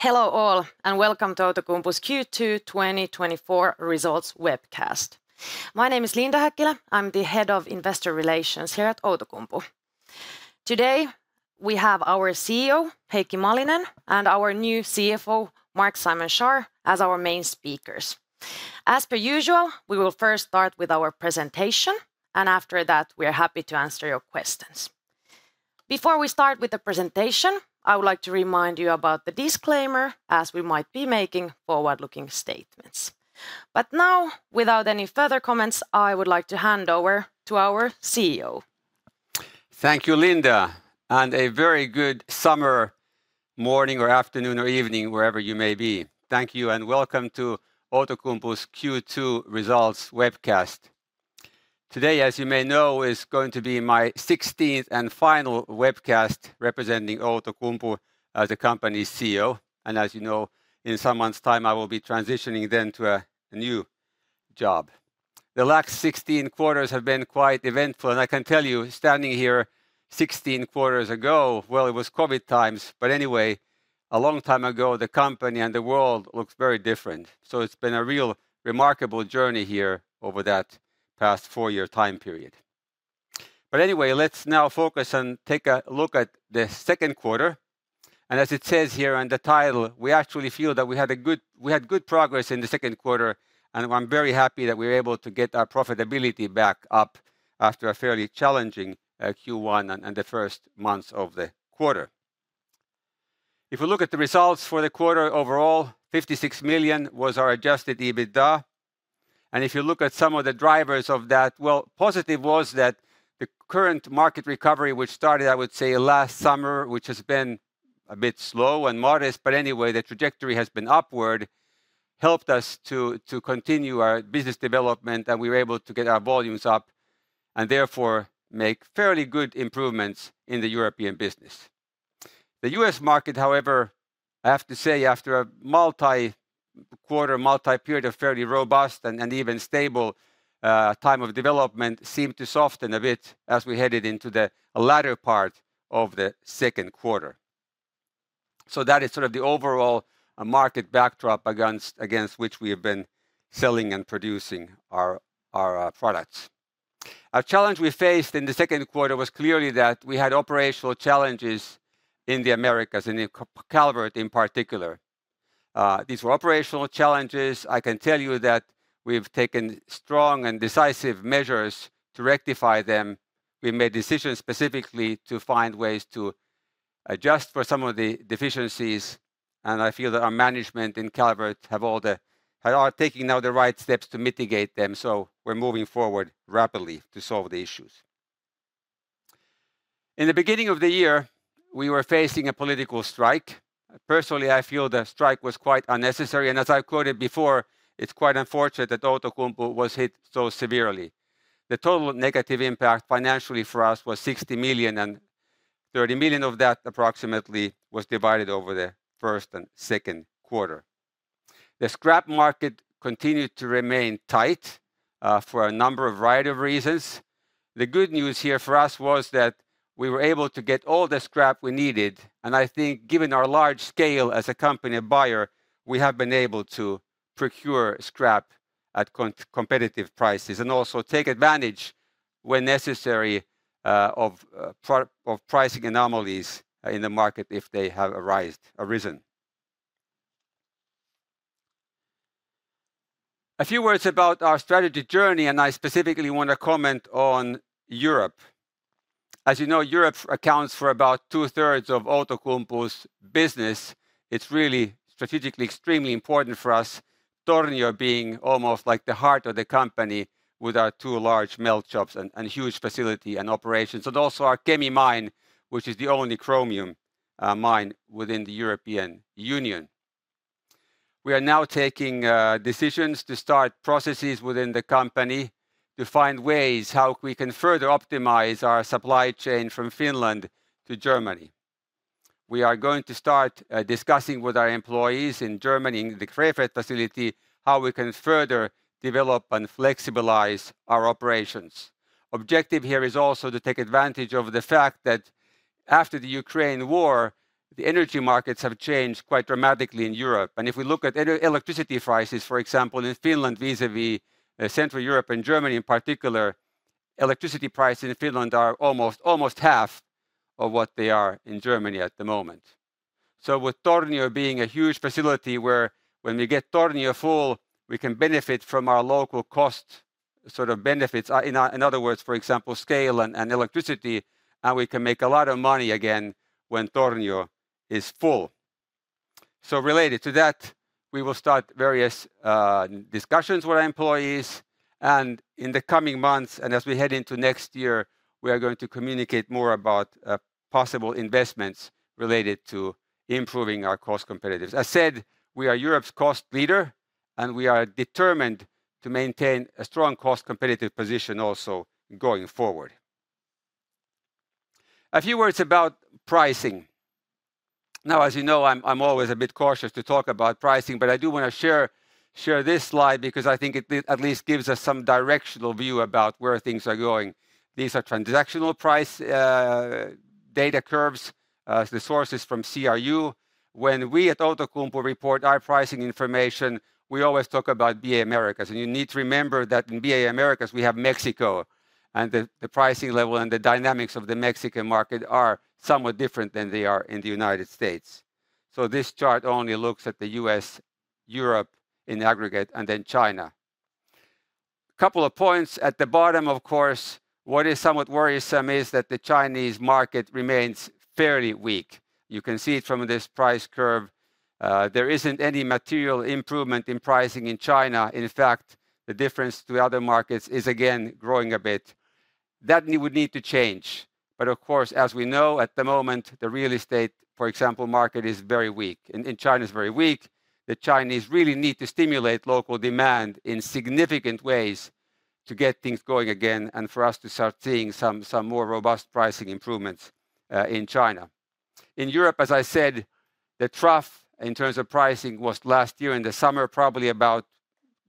Hello all, and welcome to Outokumpu's Q2 2024 Results Webcast. My name is Linda Häkkilä. I'm the head of Investor Relations here at Outokumpu. Today, we have our CEO, Heikki Malinen, and our new CFO, Marc-Simon Schaar, as our main speakers. As per usual, we will first start with our presentation, and after that, we are happy to answer your questions. Before we start with the presentation, I would like to remind you about the disclaimer, as we might be making forward-looking statements. Now, without any further comments, I would like to hand over to our CEO. Thank you, Linda, and a very good summer morning or afternoon or evening, wherever you may be. Thank you, and welcome to Outokumpu's Q2 Results Webcast. Today, as you may know, is going to be my sixteenth and final webcast representing Outokumpu as the company's CEO. As you know, in some months' time, I will be transitioning then to a, a new job. The last 16 quarters have been quite eventful, and I can tell you, standing here 16 quarters ago, well, it was COVID times. But anyway, a long time ago, the company and the world looked very different. It's been a real remarkable journey here over that past four-year time period. But anyway, let's now focus and take a look at the second quarter, and as it says here on the title, we actually feel that we had a good—we had good progress in the second quarter, and I'm very happy that we're able to get our profitability back up after a fairly challenging Q1 and the first months of the quarter. If you look at the results for the quarter overall, 56 million was our Adjusted EBITDA, and if you look at some of the drivers of that, well, positive was that the current market recovery, which started, I would say, last summer, which has been a bit slow and modest, but anyway, the trajectory has been upward, helped us to continue our business development, and we were able to get our volumes up and therefore make fairly good improvements in the European business. The U.S. market, however, I have to say, after a multi-quarter, multi-period, of fairly robust and even stable time of development, seemed to soften a bit as we headed into the latter part of the second quarter. So that is sort of the overall market backdrop against which we have been selling and producing our products. A challenge we faced in the second quarter was clearly that we had operational challenges in the Americas, in Calvert in particular. These were operational challenges. I can tell you that we've taken strong and decisive measures to rectify them. We made decisions specifically to find ways to adjust for some of the deficiencies, and I feel that our management in Calvert are taking now the right steps to mitigate them, so we're moving forward rapidly to solve the issues. In the beginning of the year, we were facing a political strike. Personally, I feel the strike was quite unnecessary, and as I've quoted before, it's quite unfortunate that Outokumpu was hit so severely. The total negative impact financially for us was 60 million, and 30 million of that approximately was divided over the first and second quarter. The scrap market continued to remain tight, for a number of variety of reasons. The good news here for us was that we were able to get all the scrap we needed, and I think given our large scale as a company, a buyer, we have been able to procure scrap at competitive prices and also take advantage when necessary, of pricing anomalies in the market if they have arisen. A few words about our strategy journey, and I specifically want to comment on Europe. As you know, Europe accounts for about two-thirds of Outokumpu's business. It's really strategically extremely important for us, Tornio being almost like the heart of the company with our two large melt shops and huge facility and operations, and also our Kemi mine, which is the only chromium mine within the European Union. We are now taking decisions to start processes within the company to find ways how we can further optimize our supply chain from Finland to Germany. We are going to start discussing with our employees in Germany, in the Krefeld facility, how we can further develop and flexibilize our operations. Objective here is also to take advantage of the fact that after the Ukraine war, the energy markets have changed quite dramatically in Europe. If we look at electricity prices, for example, in Finland, vis-à-vis Central Europe and Germany in particular, electricity prices in Finland are almost half of what they are in Germany at the moment. So with Tornio being a huge facility where when we get Tornio full, we can benefit from our local cost sort of benefits. In other words, for example, scale and electricity, and we can make a lot of money again when Tornio is full. So related to that, we will start various discussions with our employees, and in the coming months, and as we head into next year, we are going to communicate more about possible investments related to improving our cost competitiveness. I said, we are Europe's cost leader, and we are determined to maintain a strong cost-competitive position also going forward. A few words about pricing. Now, as you know, I'm, I'm always a bit cautious to talk about pricing, but I do want to share, share this slide because I think it at least gives us some directional view about where things are going. These are transactional price data curves. The source is from CRU. When we at Outokumpu report our pricing information, we always talk about BA Americas, and you need to remember that in BA Americas, we have Mexico, and the pricing level and the dynamics of the Mexican market are somewhat different than they are in the United States. So this chart only looks at the U.S., Europe in aggregate, and then China. Couple of points at the bottom, of course, what is somewhat worrisome is that the Chinese market remains fairly weak. You can see it from this price curve. There isn't any material improvement in pricing in China. In fact, the difference to other markets is again growing a bit. That we would need to change. But of course, as we know, at the moment, the real estate, for example, market is very weak in China is very weak. The Chinese really need to stimulate local demand in significant ways to get things going again, and for us to start seeing some more robust pricing improvements in China. In Europe, as I said, the trough in terms of pricing was last year in the summer, probably about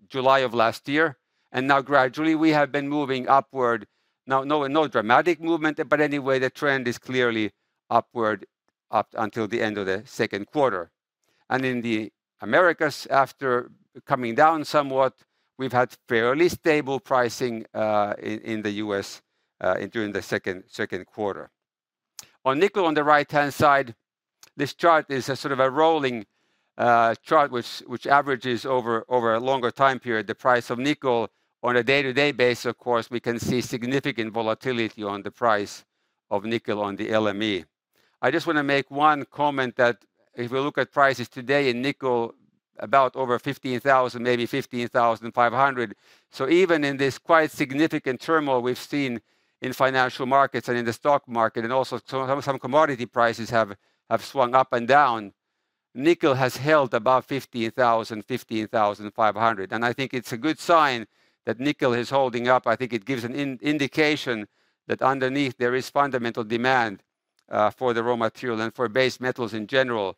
July of last year, and now gradually we have been moving upward. Now, no dramatic movement, but anyway, the trend is clearly upward up until the end of the second quarter. In the Americas, after coming down somewhat, we've had fairly stable pricing in the US during the second quarter. On nickel, on the right-hand side, this chart is a sort of a rolling chart, which averages over a longer time period, the price of nickel. On a day-to-day basis, of course, we can see significant volatility on the price of nickel on the LME. I just want to make one comment that if we look at prices today in nickel, about over $15,000, maybe $15,500. So even in this quite significant turmoil we've seen in financial markets and in the stock market, and also some commodity prices have swung up and down, nickel has held above $15,000, $15,500, and I think it's a good sign that nickel is holding up. I think it gives an indication that underneath there is fundamental demand for the raw material and for base metals in general,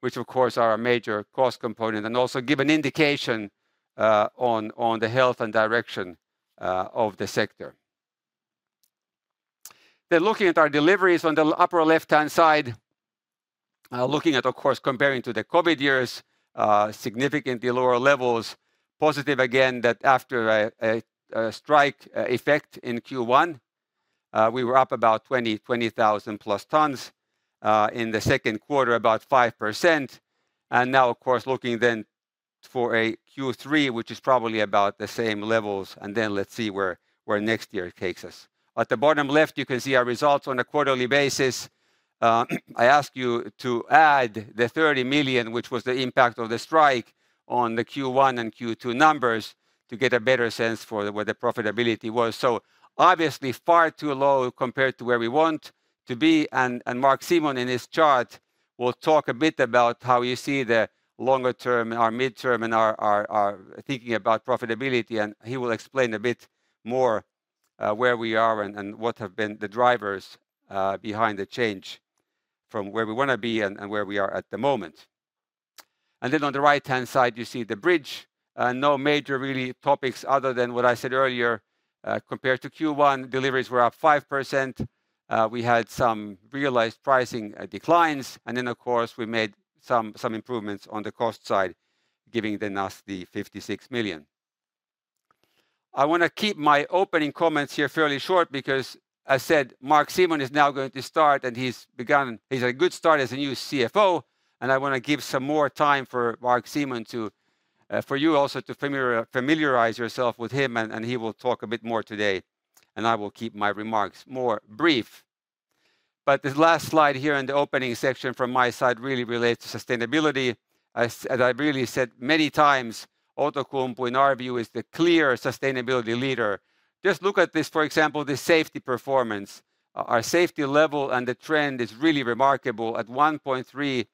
which of course, are a major cost component, and also give an indication on the health and direction of the sector. Then looking at our deliveries on the upper left-hand side, looking at, of course, comparing to the COVID years, significantly lower levels. Positive again, that after a strike effect in Q1, we were up about 20,000+ tons in the second quarter, about 5%. And now, of course, looking then for a Q3, which is probably about the same levels, and then let's see where next year takes us. At the bottom left, you can see our results on a quarterly basis. I ask you to add the 30 million, which was the impact of the strike on the Q1 and Q2 numbers, to get a better sense for where the profitability was. So obviously, far too low compared to where we want to be, and Marc-Simon, in his chart, will talk a bit about how you see the longer term, our midterm and our thinking about profitability, and he will explain a bit more, where we are and what have been the drivers, behind the change from where we want to be and where we are at the moment. And then on the right-hand side, you see the bridge. No major really topics other than what I said earlier. Compared to Q1, deliveries were up 5%. We had some realized pricing declines, and then, of course, we made some improvements on the cost side, giving then us the 56 million. I want to keep my opening comments here fairly short because as said, Marc-Simon is now going to start, and he's begun. He's a good start as a new CFO, and I want to give some more time for Marc-Simon to, for you also to familiarize yourself with him, and, and he will talk a bit more today, and I will keep my remarks more brief. But this last slide here in the opening section from my side really relates to sustainability. As, as I've really said many times, Outokumpu, in our view, is the clear sustainability leader. Just look at this, for example, the safety performance. Our safety level and the trend is really remarkable. At 1.3,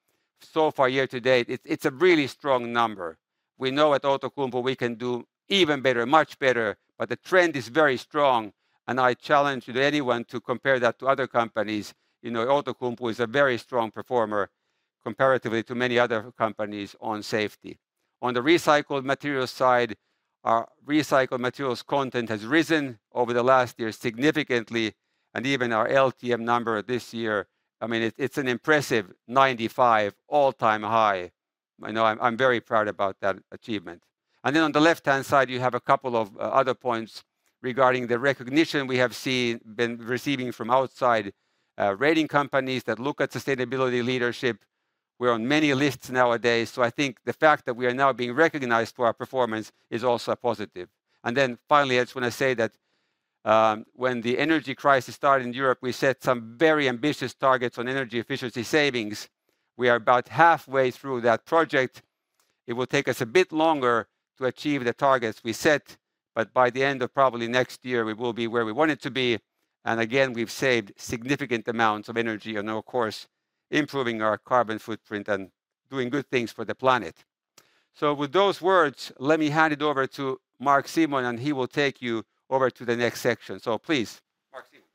so far, year to date, it's, it's a really strong number. We know at Outokumpu we can do even better, much better, but the trend is very strong, and I challenge anyone to compare that to other companies. You know, Outokumpu is a very strong performer comparatively to many other companies on safety. On the recycled material side, our recycled materials content has risen over the last year significantly, and even our LTM number this year, I mean, it's an impressive 95 all-time high. I know I'm very proud about that achievement. And then on the left-hand side, you have a couple of other points regarding the recognition we have been receiving from outside, rating companies that look at sustainability leadership. We're on many lists nowadays, so I think the fact that we are now being recognized for our performance is also a positive. Then finally, I just want to say that, when the energy crisis started in Europe, we set some very ambitious targets on energy efficiency savings. We are about halfway through that project. It will take us a bit longer to achieve the targets we set, but by the end of probably next year, we will be where we want it to be, and again, we've saved significant amounts of energy and of course, improving our carbon footprint and doing good things for the planet. So with those words, let me hand it over to Marc-Simon, and he will take you over to the next section. So please, Marc-Simon.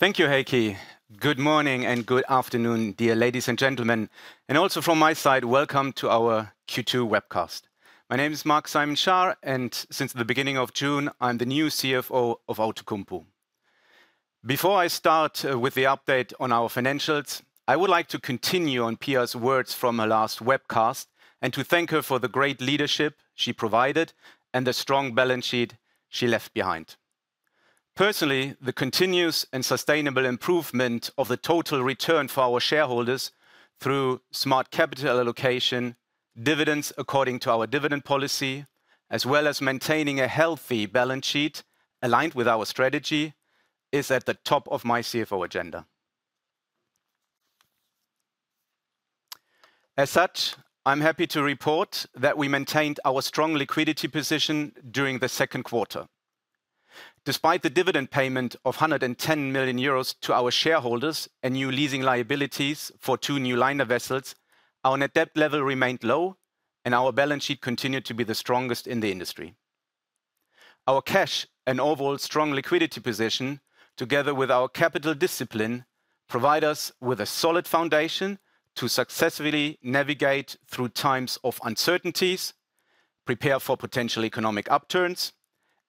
Thank you, Heikki. Good morning and good afternoon, dear ladies and gentlemen. And also from my side, welcome to our Q2 webcast. My name is Marc-Simon Schaar, and since the beginning of June, I'm the new CFO of Outokumpu... Before I start with the update on our financials, I would like to continue on Pia's words from her last webcast, and to thank her for the great leadership she provided and the strong balance sheet she left behind. Personally, the continuous and sustainable improvement of the total return for our shareholders through smart capital allocation, dividends according to our dividend policy, as well as maintaining a healthy balance sheet aligned with our strategy, is at the top of my CFO agenda. As such, I'm happy to report that we maintained our strong liquidity position during the second quarter. Despite the dividend payment of 110 million euros to our shareholders and new leasing liabilities for 2 new liner vessels, our net debt level remained low, and our balance sheet continued to be the strongest in the industry. Our cash and overall strong liquidity position, together with our capital discipline, provide us with a solid foundation to successfully navigate through times of uncertainties, prepare for potential economic upturns,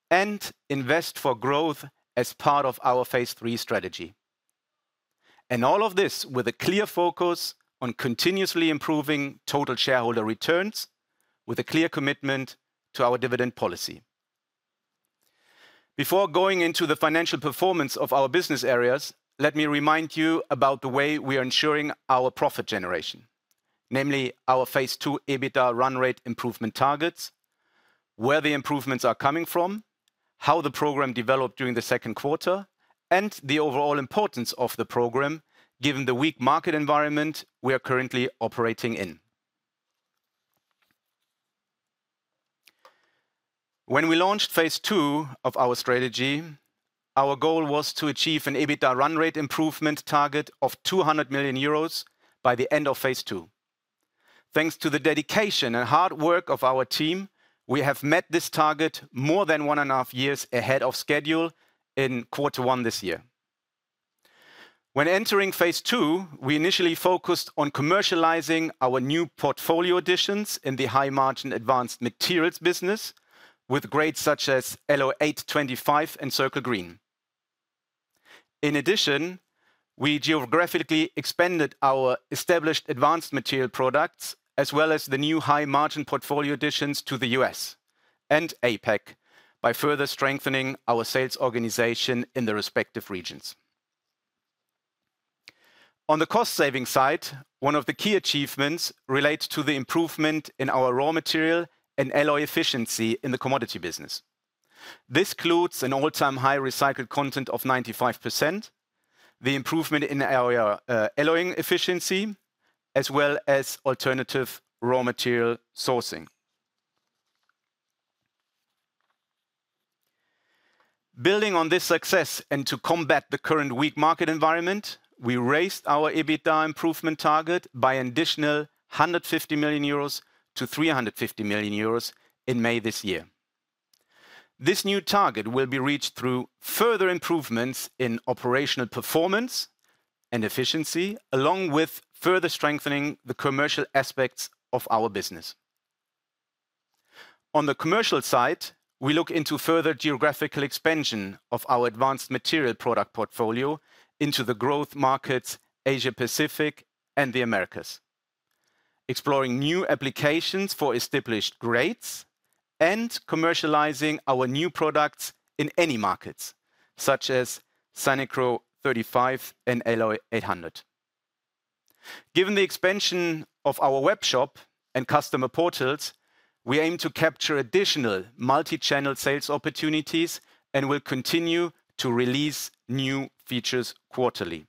and invest for growth as part of our Phase Three strategy. And all of this with a clear focus on continuously improving total shareholder returns, with a clear commitment to our dividend policy. Before going into the financial performance of our business areas, let me remind you about the way we are ensuring our profit generation, namely our Phase Two EBITDA run rate improvement targets, where the improvements are coming from, how the program developed during the second quarter, and the overall importance of the program, given the weak market environment we are currently operating in. When we launched Phase Two of our strategy, our goal was to achieve an EBITDA run rate improvement target of 200 million euros by the end of Phase Two. Thanks to the dedication and hard work of our team, we have met this target more than one and a half years ahead of schedule in quarter one this year. When entering Phase Two, we initially focused on commercializing our new portfolio additions in the high-margin advanced materials business with grades such as Alloy 825 and Circle Green. In addition, we geographically expanded our established advanced material products, as well as the new high-margin portfolio additions to the US and APAC, by further strengthening our sales organization in the respective regions. On the cost-saving side, one of the key achievements relates to the improvement in our raw material and alloy efficiency in the commodity business. This includes an all-time high recycled content of 95%, the improvement in our alloying efficiency, as well as alternative raw material sourcing. Building on this success and to combat the current weak market environment, we raised our EBITDA improvement target by an additional 150 million euros to 350 million euros in May this year. This new target will be reached through further improvements in operational performance and efficiency, along with further strengthening the commercial aspects of our business. On the commercial side, we look into further geographical expansion of our advanced material product portfolio into the growth markets, Asia-Pacific and the Americas, exploring new applications for established grades and commercializing our new products in any markets, such as Sanicro 35 and Alloy 800. Given the expansion of our webshop and customer portals, we aim to capture additional multi-channel sales opportunities and will continue to release new features quarterly.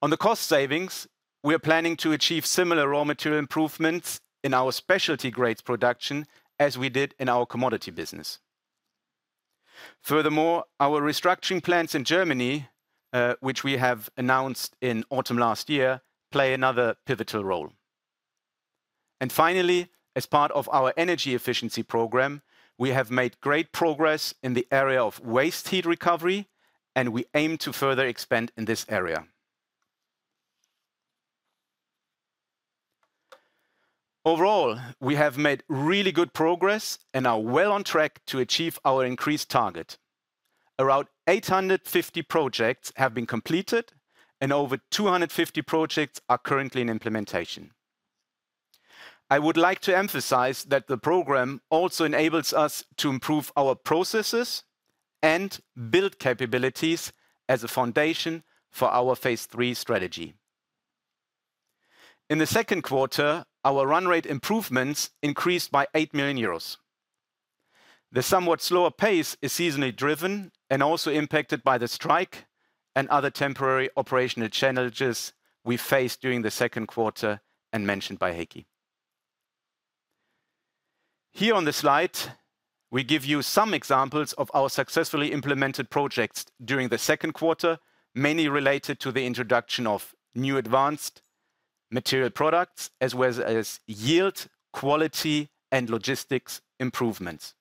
On the cost savings, we are planning to achieve similar raw material improvements in our specialty grades production as we did in our commodity business. Furthermore, our restructuring plans in Germany, which we have announced in autumn last year, play another pivotal role. Finally, as part of our energy efficiency program, we have made great progress in the area of waste heat recovery, and we aim to further expand in this area. Overall, we have made really good progress and are well on track to achieve our increased target. Around 850 projects have been completed, and over 250 projects are currently in implementation. I would like to emphasize that the program also enables us to improve our processes and build capabilities as a foundation for our Phase Three strategy. In the second quarter, our run rate improvements increased by 8 million euros. The somewhat slower pace is seasonally driven and also impacted by the strike and other temporary operational challenges we faced during the second quarter and mentioned by Heikki. Here on the slide, we give you some examples of our successfully implemented projects during the second quarter, mainly related to the introduction of new advanced material products, as well as yield, quality, and logistics improvements.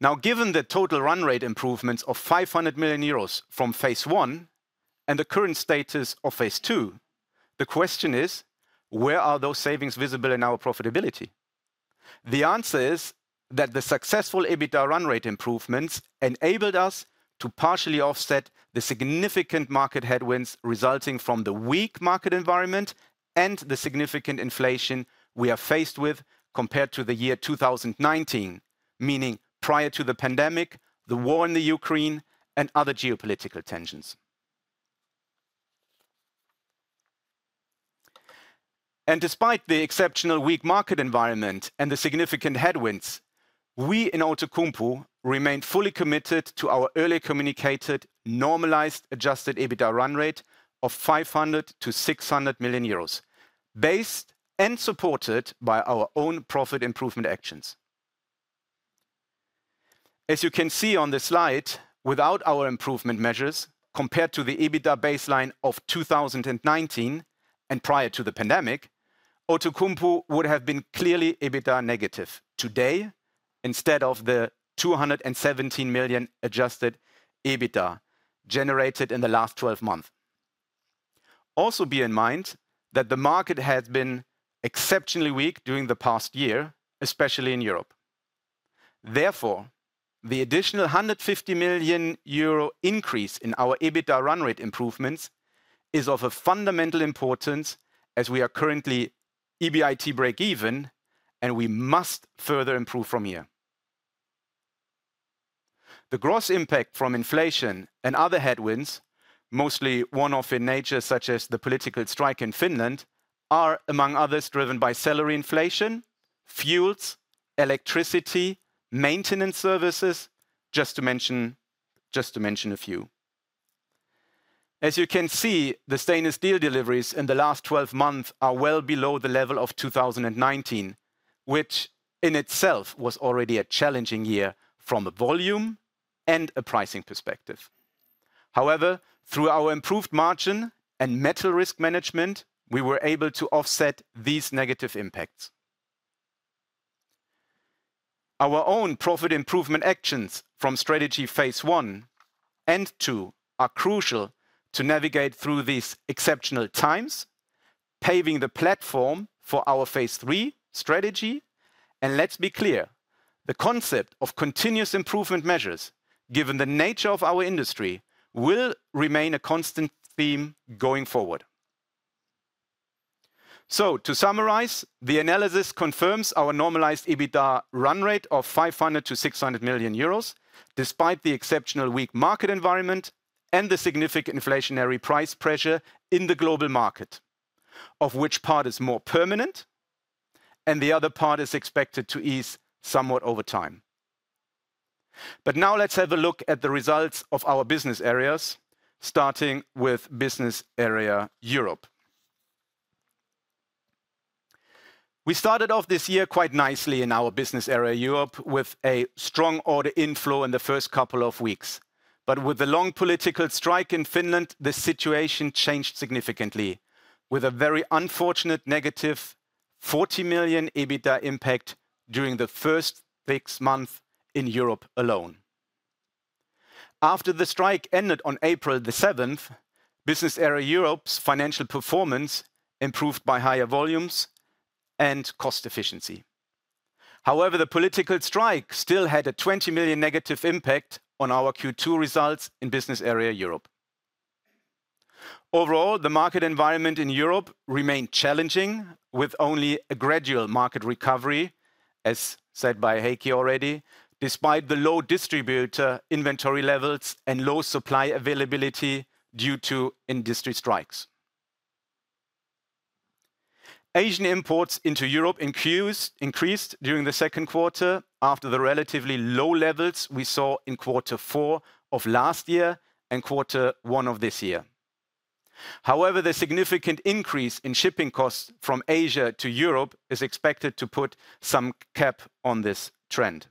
Now, given the total run rate improvements of 500 million euros from Phase One and the current status of Phase Two, the question is: Where are those savings visible in our profitability? The answer is that the successful EBITDA run rate improvements enabled us to partially offset the significant market headwinds resulting from the weak market environment and the significant inflation we are faced with compared to 2019, meaning prior to the pandemic, the war in Ukraine, and other geopolitical tensions. Despite the exceptionally weak market environment and the significant headwinds, we in Outokumpu remain fully committed to our early communicated, normalized, adjusted EBITDA run rate of 500 million-600 million euros, based and supported by our own profit improvement actions. As you can see on the slide, without our improvement measures, compared to the EBITDA baseline of 2019 and prior to the pandemic, Outokumpu would have been clearly EBITDA negative today, instead of the 217 million adjusted EBITDA generated in the last twelve months. Also, bear in mind that the market has been exceptionally weak during the past year, especially in Europe. Therefore, the additional 150 million euro increase in our EBITDA run rate improvements is of a fundamental importance as we are currently EBIT break even, and we must further improve from here. The gross impact from inflation and other headwinds, mostly one-off in nature, such as the political strike in Finland, are, among others, driven by salary inflation, fuels, electricity, maintenance services, just to mention, just to mention a few. As you can see, the stainless steel deliveries in the last 12 months are well below the level of 2019, which in itself was already a challenging year from a volume and a pricing perspective. However, through our improved margin and metal risk management, we were able to offset these negative impacts. Our own profit improvement actions from strategy Phase One and Two are crucial to navigate through these exceptional times, paving the platform for our Phase Three strategy. Let's be clear, the concept of continuous improvement measures, given the nature of our industry, will remain a constant theme going forward. So to summarize, the analysis confirms our normalized EBITDA run rate of 500 million-600 million euros, despite the exceptionally weak market environment and the significant inflationary price pressure in the global market, of which part is more permanent, and the other part is expected to ease somewhat over time. But now let's have a look at the results of our business areas, starting with Business Area Europe. We started off this year quite nicely in our Business Area Europe, with a strong order inflow in the first couple of weeks. But with the long political strike in Finland, the situation changed significantly, with a very unfortunate negative 40 million EBITDA impact during the first six months in Europe alone. After the strike ended on April 7, Business Area Europe's financial performance improved by higher volumes and cost efficiency. However, the political strike still had a 20 million negative impact on our Q2 results in Business Area Europe. Overall, the market environment in Europe remained challenging, with only a gradual market recovery, as said by Heikki already, despite the low distributor inventory levels and low supply availability due to industry strikes. Asian imports into Europe increased during the second quarter after the relatively low levels we saw in quarter four of last year and quarter one of this year. However, the significant increase in shipping costs from Asia to Europe is expected to put some cap on this trend.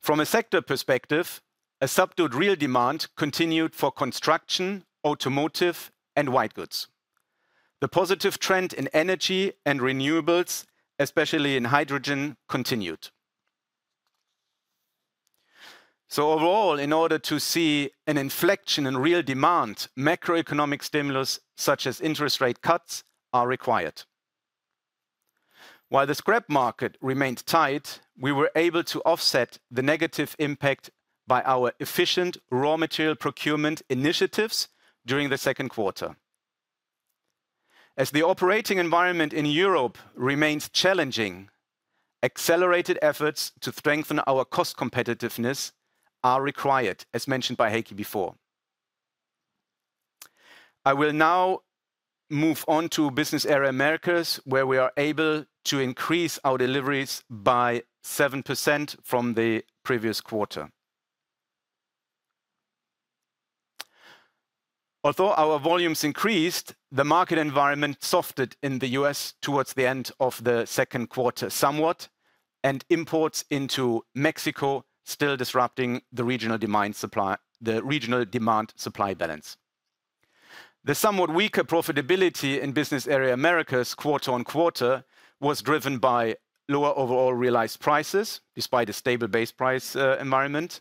From a sector perspective, a subdued real demand continued for construction, automotive, and white goods. The positive trend in energy and renewables, especially in hydrogen, continued. So overall, in order to see an inflection in real demand, macroeconomic stimulus, such as interest rate cuts, are required. While the scrap market remained tight, we were able to offset the negative impact by our efficient raw material procurement initiatives during the second quarter. As the operating environment in Europe remains challenging, accelerated efforts to strengthen our cost competitiveness are required, as mentioned by Heikki before. I will now move on to Business Area Americas, where we are able to increase our deliveries by 7% from the previous quarter. Although our volumes increased, the market environment softened in the US towards the end of the second quarter somewhat, and imports into Mexico still disrupting the regional demand-supply balance. The somewhat weaker profitability in Business Area Americas quarter-on-quarter was driven by lower overall realized prices, despite a stable base price environment,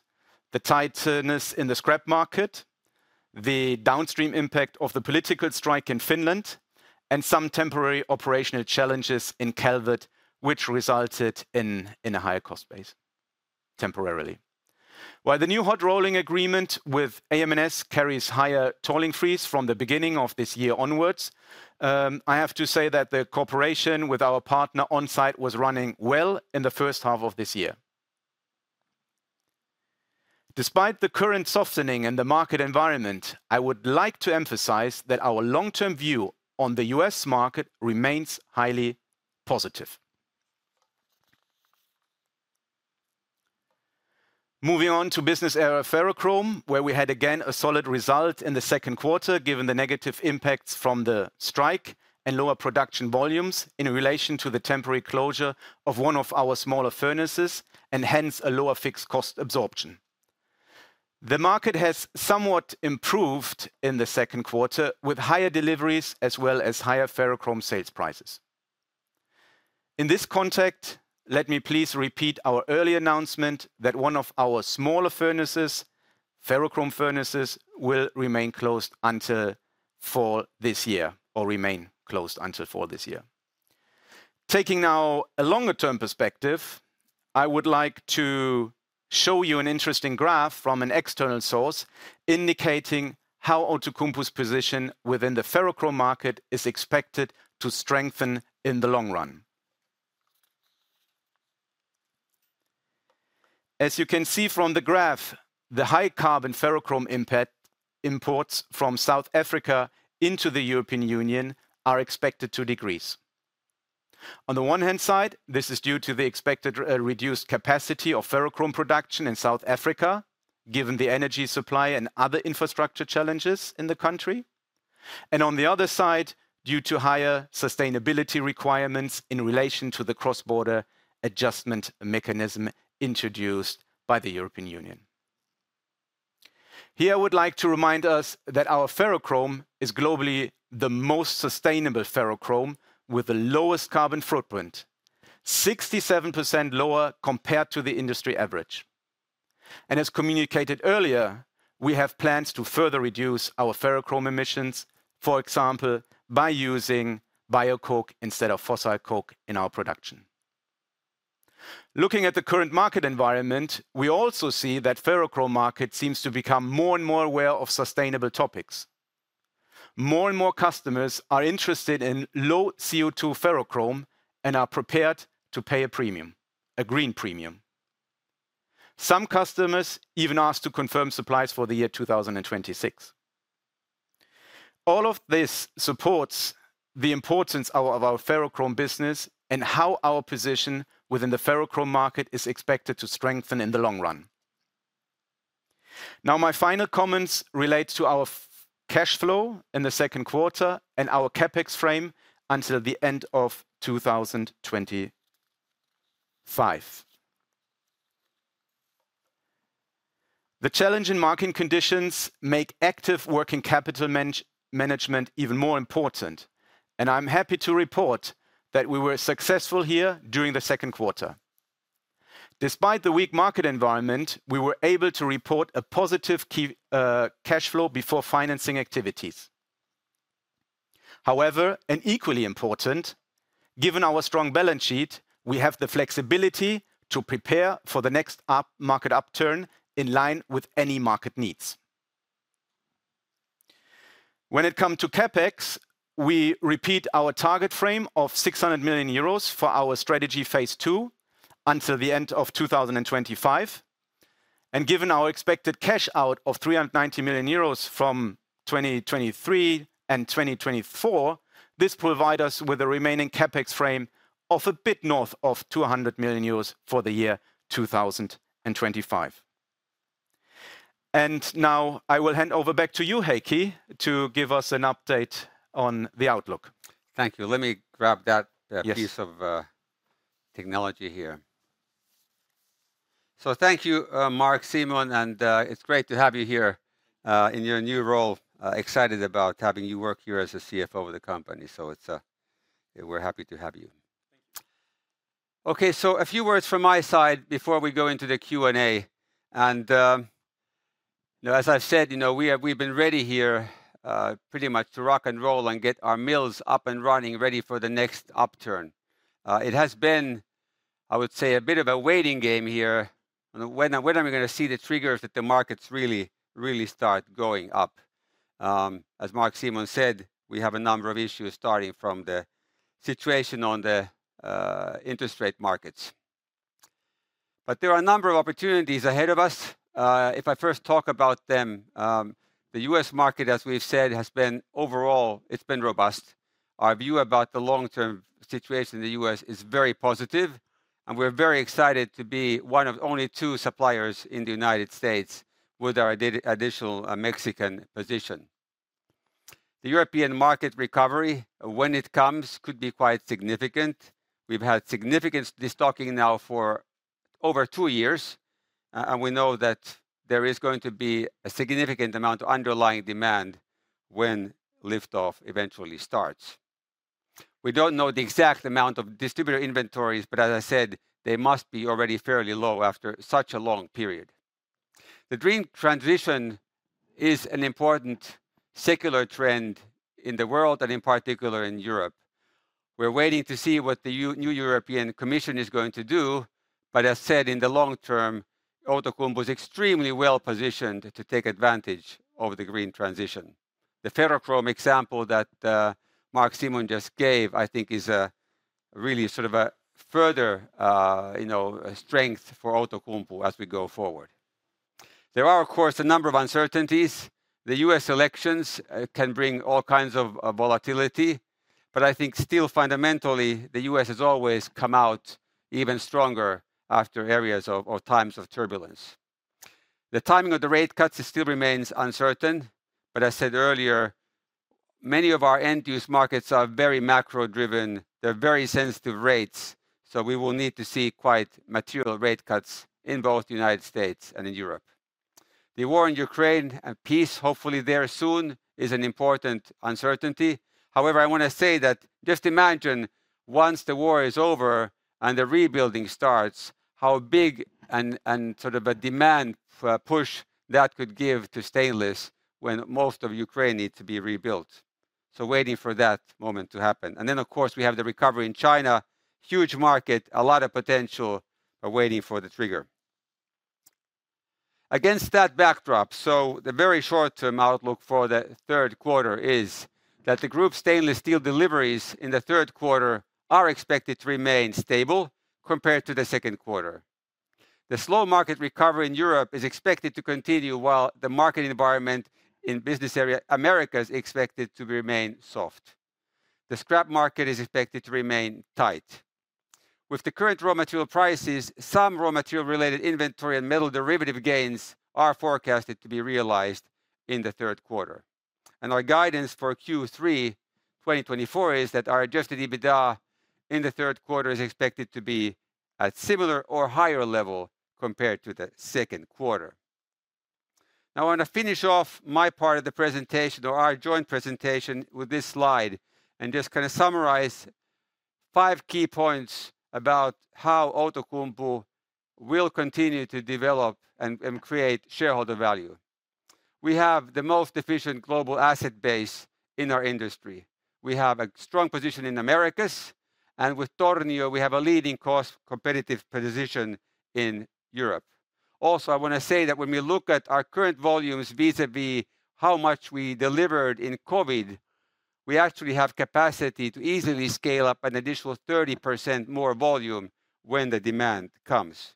the tightness in the scrap market-... The downstream impact of the political strike in Finland, and some temporary operational challenges in Calvert, which resulted in a higher cost base temporarily. While the new hot rolling agreement with AMNS carries higher tolling fees from the beginning of this year onwards, I have to say that the cooperation with our partner on site was running well in the first half of this year. Despite the current softening in the market environment, I would like to emphasize that our long-term view on the U.S. market remains highly positive. Moving on to Business Area Ferrochrome, where we had, again, a solid result in the second quarter, given the negative impacts from the strike and lower production volumes in relation to the temporary closure of one of our smaller furnaces, and hence a lower fixed cost absorption. The market has somewhat improved in the second quarter, with higher deliveries, as well as higher ferrochrome sales prices. In this context, let me please repeat our earlier announcement that one of our smaller furnaces, ferrochrome furnaces, will remain closed until for this year, or remain closed until for this year. Taking now a longer-term perspective, I would like to show you an interesting graph from an external source, indicating how Outokumpu's position within the ferrochrome market is expected to strengthen in the long run. As you can see from the graph, the high-carbon ferrochrome imports from South Africa into the European Union are expected to decrease. On the one-hand side, this is due to the expected, reduced capacity of ferrochrome production in South Africa, given the energy supply and other infrastructure challenges in the country. And on the other side, due to higher sustainability requirements in relation to the cross-border adjustment mechanism introduced by the European Union. Here, I would like to remind us that our ferrochrome is globally the most sustainable ferrochrome, with the lowest carbon footprint, 67% lower compared to the industry average. And as communicated earlier, we have plans to further reduce our ferrochrome emissions, for example, by using bio-coke instead of fossil coke in our production. Looking at the current market environment, we also see that ferrochrome market seems to become more and more aware of sustainable topics. More and more customers are interested in low CO2 ferrochrome, and are prepared to pay a premium, a green premium. Some customers even asked to confirm supplies for the year 2026. All of this supports the importance of our ferrochrome business, and how our position within the ferrochrome market is expected to strengthen in the long run. Now, my final comments relate to our cash flow in the second quarter and our CapEx frame until the end of 2025. The challenge in market conditions make active working capital management even more important, and I'm happy to report that we were successful here during the second quarter. Despite the weak market environment, we were able to report a positive cash flow before financing activities. However, and equally important, given our strong balance sheet, we have the flexibility to prepare for the next upturn in line with any market needs. When it come to CapEx, we repeat our target frame of 600 million euros for our strategy Phase Two, until the end of 2025. And given our expected cash out of 390 million euros from 2023 and 2024, this provide us with a remaining CapEx frame of a bit north of 200 million euros for the year 2025. And now I will hand over back to you, Heikki, to give us an update on the outlook. Thank you. Let me grab that- Yes... piece of technology here. So thank you, Marc-Simon, and it's great to have you here in your new role. Excited about having you work here as a CFO of the company. So it's... We're happy to have you. Thank you. Okay, so a few words from my side before we go into the Q&A. Now, as I've said, you know, we've been ready here, pretty much to rock and roll and get our mills up and running, ready for the next upturn. It has been, I would say, a bit of a waiting game here. When are we gonna see the triggers that the markets really, really start going up? As Marc-Simon said, we have a number of issues, starting from the situation on the interest rate markets. But there are a number of opportunities ahead of us. If I first talk about them, the U.S. market, as we've said, has been... Overall, it's been robust. Our view about the long-term situation in the US is very positive, and we're very excited to be one of only two suppliers in the United States with our additional Mexican position. The European market recovery, when it comes, could be quite significant. We've had significant destocking now for over two years, and we know that there is going to be a significant amount of underlying demand when liftoff eventually starts. We don't know the exact amount of distributor inventories, but as I said, they must be already fairly low after such a long period. The green transition is an important secular trend in the world, and in particular in Europe. We're waiting to see what the new European Commission is going to do, but as said, in the long term, Outokumpu is extremely well positioned to take advantage of the green transition. The ferrochrome example that Marc-Simon just gave, I think is a really sort of a further, you know, strength for Outokumpu as we go forward. There are, of course, a number of uncertainties. The US elections can bring all kinds of volatility, but I think still fundamentally, the US has always come out even stronger after areas of, or times of turbulence. The timing of the rate cuts still remains uncertain, but I said earlier, many of our end-use markets are very macro-driven. They're very sensitive to rates, so we will need to see quite material rate cuts in both the United States and in Europe. The war in Ukraine, and peace hopefully there soon, is an important uncertainty. However, I wanna say that just imagine once the war is over and the rebuilding starts, how big and, and sort of a demand push that could give to stainless when most of Ukraine needs to be rebuilt. So waiting for that moment to happen. And then, of course, we have the recovery in China. Huge market, a lot of potential, are waiting for the trigger. Against that backdrop, so the very short-term outlook for the third quarter is that the group's stainless steel deliveries in the third quarter are expected to remain stable compared to the second quarter. The slow market recovery in Europe is expected to continue, while the market environment in Business Area Americas is expected to remain soft. The scrap market is expected to remain tight. With the current raw material prices, some raw material-related inventory and metal derivative gains are forecasted to be realized in the third quarter. Our guidance for Q3 2024 is that our Adjusted EBITDA in the third quarter is expected to be at similar or higher level compared to the second quarter. Now, I want to finish off my part of the presentation, or our joint presentation, with this slide, and just kinda summarize five key points about how Outokumpu will continue to develop and create shareholder value. We have the most efficient global asset base in our industry. We have a strong position in Americas, and with Tornio, we have a leading cost-competitive position in Europe. Also, I wanna say that when we look at our current volumes vis-à-vis how much we delivered in COVID, we actually have capacity to easily scale up an additional 30% more volume when the demand comes.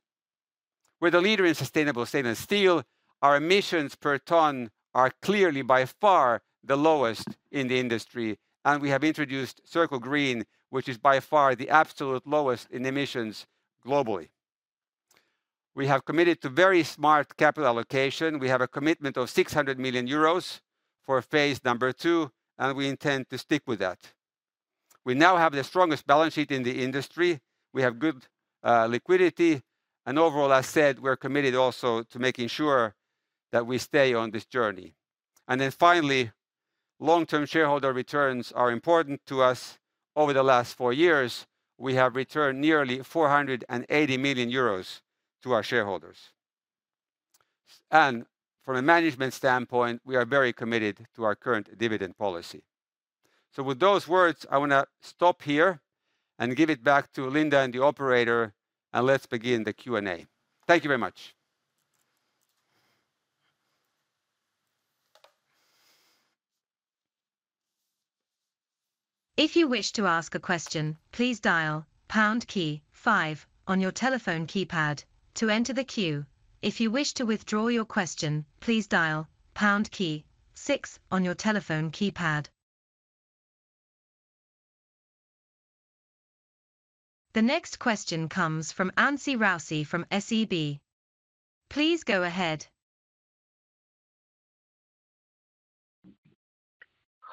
We're the leader in sustainable stainless steel. Our emissions per ton are clearly by far the lowest in the industry, and we have introduced Circle Green, which is by far the absolute lowest in emissions globally. We have committed to very smart capital allocation. We have a commitment of 600 million euros for Phase Two, and we intend to stick with that. We now have the strongest balance sheet in the industry. We have good liquidity, and overall, as said, we're committed also to making sure that we stay on this journey. And then finally, long-term shareholder returns are important to us. Over the last four years, we have returned nearly 480 million euros to our shareholders. From a management standpoint, we are very committed to our current dividend policy. With those words, I wanna stop here and give it back to Linda and the operator, and let's begin the Q&A. Thank you very much. If you wish to ask a question, please dial pound key five on your telephone keypad to enter the queue. If you wish to withdraw your question, please dial pound key six on your telephone keypad. The next question comes from Anssi Raute from SEB. Please go ahead.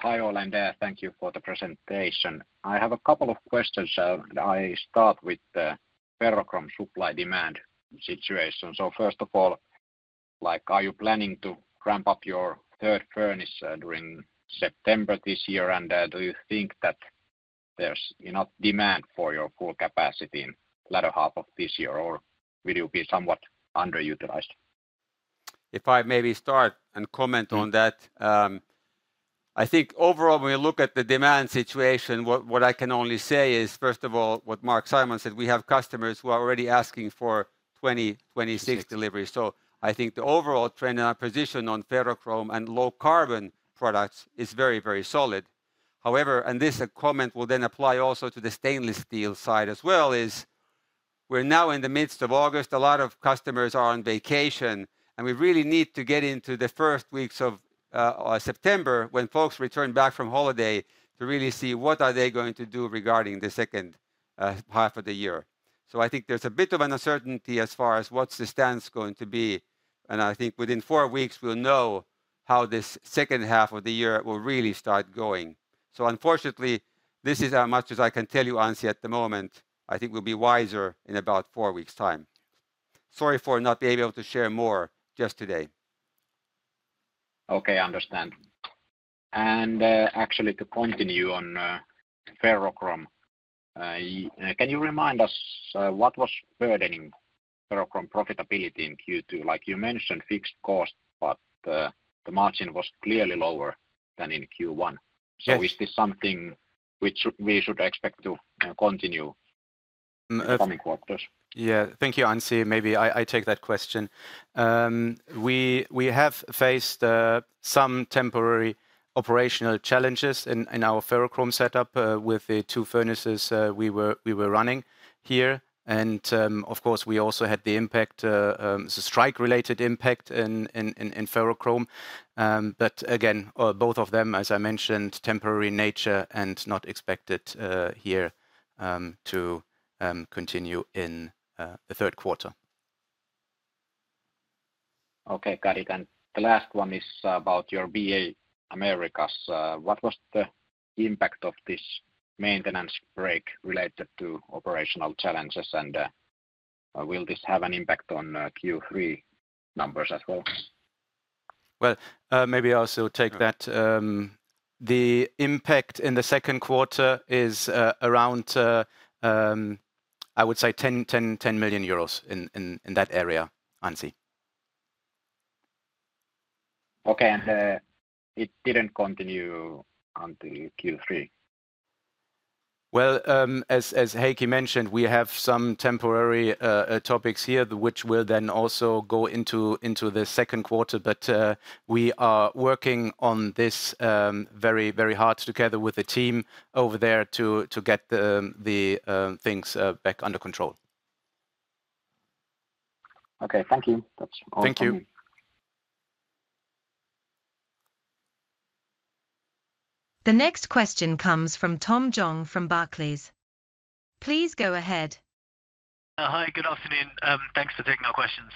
Hi, all, and thank you for the presentation. I have a couple of questions. I start with the ferrochrome supply-demand situation. So first of all, like, are you planning to ramp up your third furnace during September this year? And do you think that there's enough demand for your full capacity in latter half of this year, or will you be somewhat underutilized? If I maybe start and comment on that... I think overall, when we look at the demand situation, what I can only say is, first of all, what Marc-Simon Schaar said, we have customers who are already asking for 2026 deliveries. So I think the overall trend and our position on ferrochrome and low-carbon products is very, very solid. However, and this comment will then apply also to the stainless steel side as well, is we're now in the midst of August, a lot of customers are on vacation, and we really need to get into the first weeks of September, when folks return back from holiday, to really see what are they going to do regarding the second half of the year. So I think there's a bit of an uncertainty as far as what's the stance going to be, and I think within four weeks, we'll know how this second half of the year will really start going. So unfortunately, this is as much as I can tell you, Anssi, at the moment. I think we'll be wiser in about four weeks' time. Sorry for not being able to share more just today. ... Okay, I understand. And, actually, to continue on, ferrochrome, can you remind us, what was burdening ferrochrome profitability in Q2? Like you mentioned, fixed costs, but, the margin was clearly lower than in Q1. Yes. Is this something which we should expect to continue in the coming quarters? Yeah. Thank you, Anssi. Maybe I take that question. We have faced some temporary operational challenges in our ferrochrome setup with the two furnaces we were running here. And, of course, we also had the impact, the strike-related impact in ferrochrome. But again, both of them, as I mentioned, temporary nature and not expected here to continue in the third quarter. Okay, got it. The last one is about your BA Americas. What was the impact of this maintenance break related to operational challenges? Will this have an impact on Q3 numbers as well? Well, maybe I also take that. The impact in the second quarter is around, I would say 10 million euros in that area, Anssi. Okay, and it didn't continue on to Q3? Well, as Heikki mentioned, we have some temporary topics here, which will then also go into the second quarter. But, we are working on this very, very hard together with the team over there to get the things back under control. Okay. Thank you. That's all from me. Thank you. The next question comes from Tom Zhang from Barclays. Please go ahead. Hi, good afternoon. Thanks for taking our questions.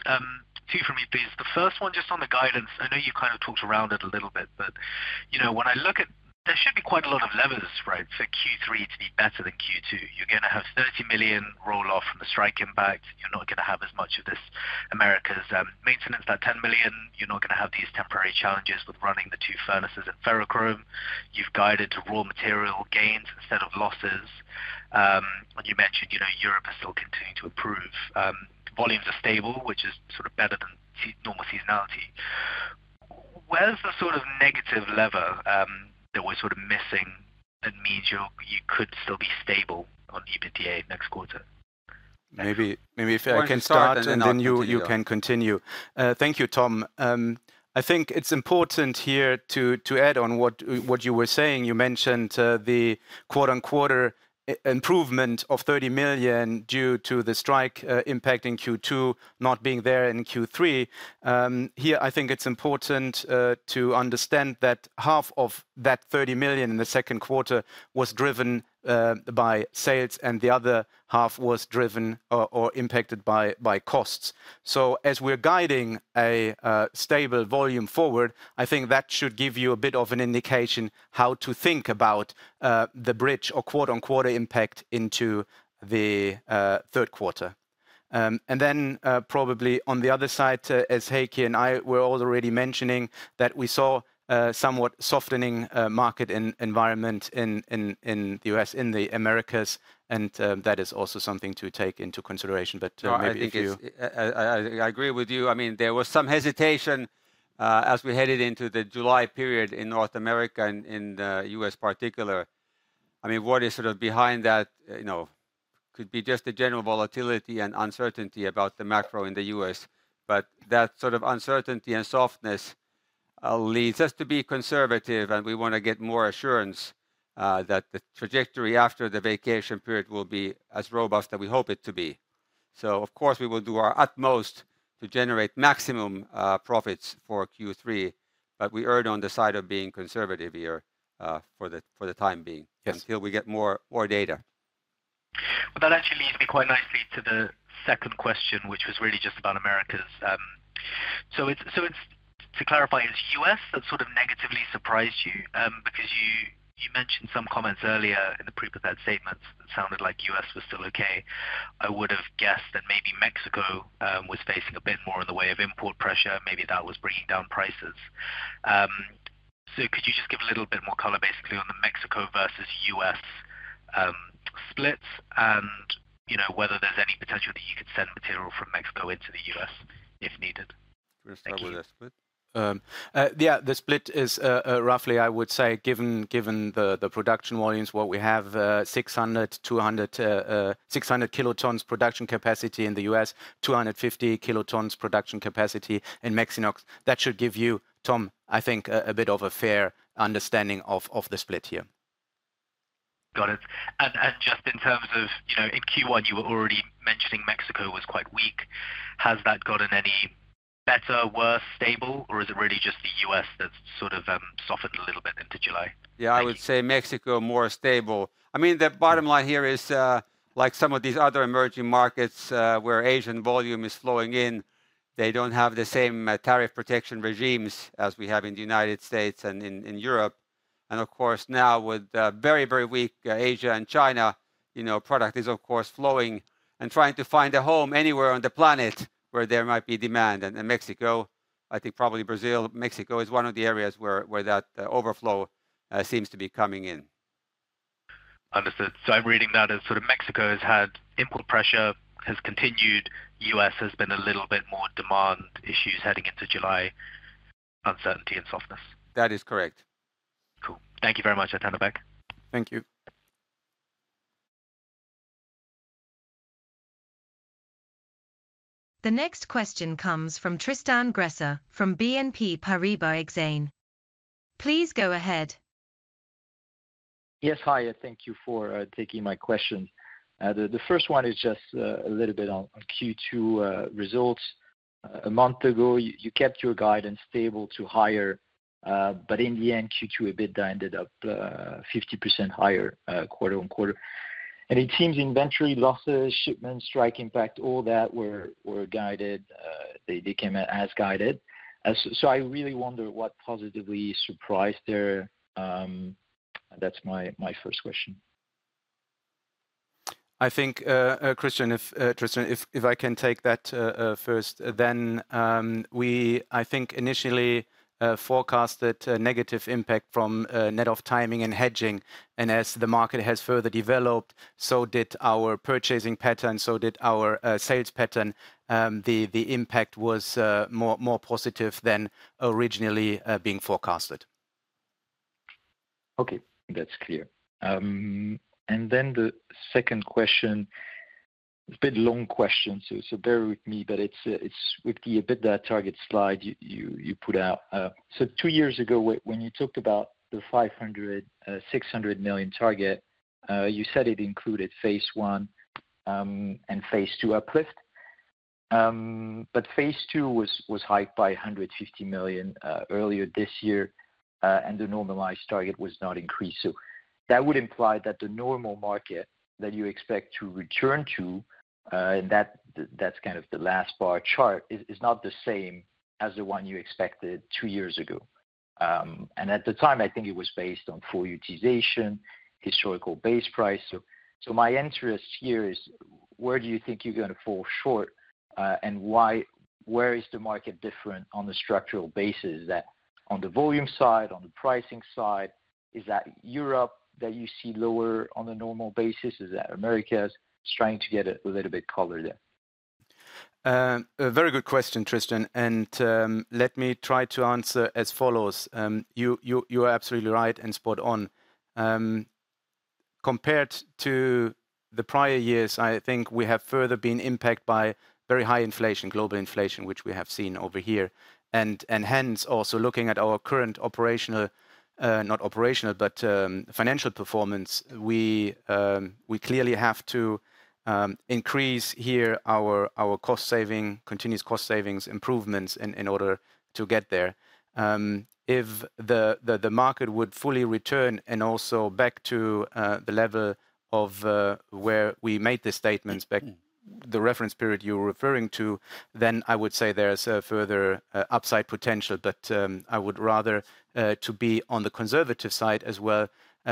Two from me, please. The first one, just on the guidance, I know you kind of talked around it a little bit, but, you know, when I look at... There should be quite a lot of levers, right, for Q3 to be better than Q2. You're gonna have 30 million roll off from the strike impact. You're not gonna have as much of this Americas maintenance, that 10 million. You're not gonna have these temporary challenges with running the two furnaces at ferrochrome. You've guided to raw material gains instead of losses. And you mentioned, you know, Europe is still continuing to improve. Volumes are stable, which is sort of better than normal seasonality. Where's the sort of negative lever that we're sort of missing, that means you could still be stable on EBITDA next quarter? Maybe if I can start— Why don't you start, and then you can continue. Thank you, Tom. I think it's important here to add on what you were saying. You mentioned the quarter-on-quarter improvement of 30 million due to the strike impact in Q2 not being there in Q3. Here, I think it's important to understand that half of that 30 million in the second quarter was driven by sales, and the other half was driven or impacted by costs. So as we're guiding a stable volume forward, I think that should give you a bit of an indication how to think about the bridge or quarter-on-quarter impact into the third quarter. And then, probably on the other side, as Heikki and I were already mentioning, that we saw a somewhat softening market environment in the US, in the Americas, and that is also something to take into consideration. But, maybe if you- No, I think it's I agree with you. I mean, there was some hesitation as we headed into the July period in North America and in the U.S. particular. I mean, what is sort of behind that, you know, could be just the general volatility and uncertainty about the macro in the U.S. But that sort of uncertainty and softness leads us to be conservative, and we wanna get more assurance that the trajectory after the vacation period will be as robust as we hope it to be. So of course, we will do our utmost to generate maximum profits for Q3, but we err on the side of being conservative here for the time being. Yes... until we get more, more data. Well, that actually leads me quite nicely to the second question, which was really just about Americas. So it's, to clarify, it's US that sort of negatively surprised you, because you mentioned some comments earlier in the pre-prepared statements that sounded like US was still okay. I would have guessed that maybe Mexico was facing a bit more in the way of import pressure, maybe that was bringing down prices. So could you just give a little bit more color, basically, on the Mexico versus US splits? And, you know, whether there's any potential that you could send material from Mexico into the US if needed. Thank you. We'll start with the split. Yeah, the split is roughly, I would say, given the production volumes, what we have, 600, 200, 600 kilotons production capacity in the US, 250 kilotons production capacity in Mexinox. That should give you, Tom, I think, a bit of a fair understanding of the split here. Got it. Just in terms of, you know, in Q1, you were already mentioning Mexico was quite weak. Has that gotten any better, worse, stable, or is it really just the U.S. that's sort of, softened a little bit into July? Yeah, I would say Mexico, more stable. I mean, the bottom line here is, like some of these other emerging markets, where Asian volume is flowing in, they don't have the same, tariff protection regimes as we have in the United States and in Europe and of course, now with very, very weak Asia and China, you know, product is of course flowing and trying to find a home anywhere on the planet where there might be demand. And Mexico, I think probably Brazil. Mexico is one of the areas where that overflow seems to be coming in. Understood. So I'm reading that as sort of Mexico has had import pressure, has continued, U.S. has been a little bit more demand issues heading into July, uncertainty and softness. That is correct. Cool. Thank you very much. I'll turn it back. Thank you. The next question comes from Tristan Gresser from BNP Paribas Exane. Please go ahead. Yes. Hi, thank you for taking my question. The first one is just a little bit on Q2 results. A month ago, you kept your guidance stable to higher, but in the end, Q2 EBITDA ended up 50% higher quarter-on-quarter. And it seems inventory losses, shipments, strike impact, all that were guided, they came out as guided. So I really wonder what positively surprised there. That's my first question. I think, Christian, if Tristan, I can take that first, then, we, I think initially forecasted a negative impact from net off timing and hedging. As the market has further developed, so did our purchasing pattern, so did our sales pattern. The impact was more positive than originally being forecasted. Okay, that's clear. And then the second question, a bit long question, so bear with me, but it's with the EBITDA target slide you put out. So two years ago, when you talked about the 500 million-600 million target, you said it included Phase One and Phase Two uplift. But Phase Two was hiked by 150 million earlier this year, and the normalized target was not increased. So that would imply that the normal market that you expect to return to, and that's kind of the last bar chart, is not the same as the one you expected two years ago. And at the time, I think it was based on full utilization, historical base price. So, my interest here is, where do you think you're gonna fall short, and why? Where is the market different on a structural basis? Is that on the volume side, on the pricing side? Is that Europe that you see lower on a normal basis? Is that Americas? Just trying to get a little bit color there. A very good question, Tristan, and let me try to answer as follows. You are absolutely right and spot on. Compared to the prior years, I think we have further been impacted by very high inflation, global inflation, which we have seen over here. And hence, also looking at our current operational, not operational, but financial performance, we clearly have to increase here our cost saving, continuous cost savings improvements in order to get there. If the market would fully return and also back to the level of where we made the statements, back the reference period you're referring to, then I would say there is a further upside potential. But, I would rather to be on the conservative side as well,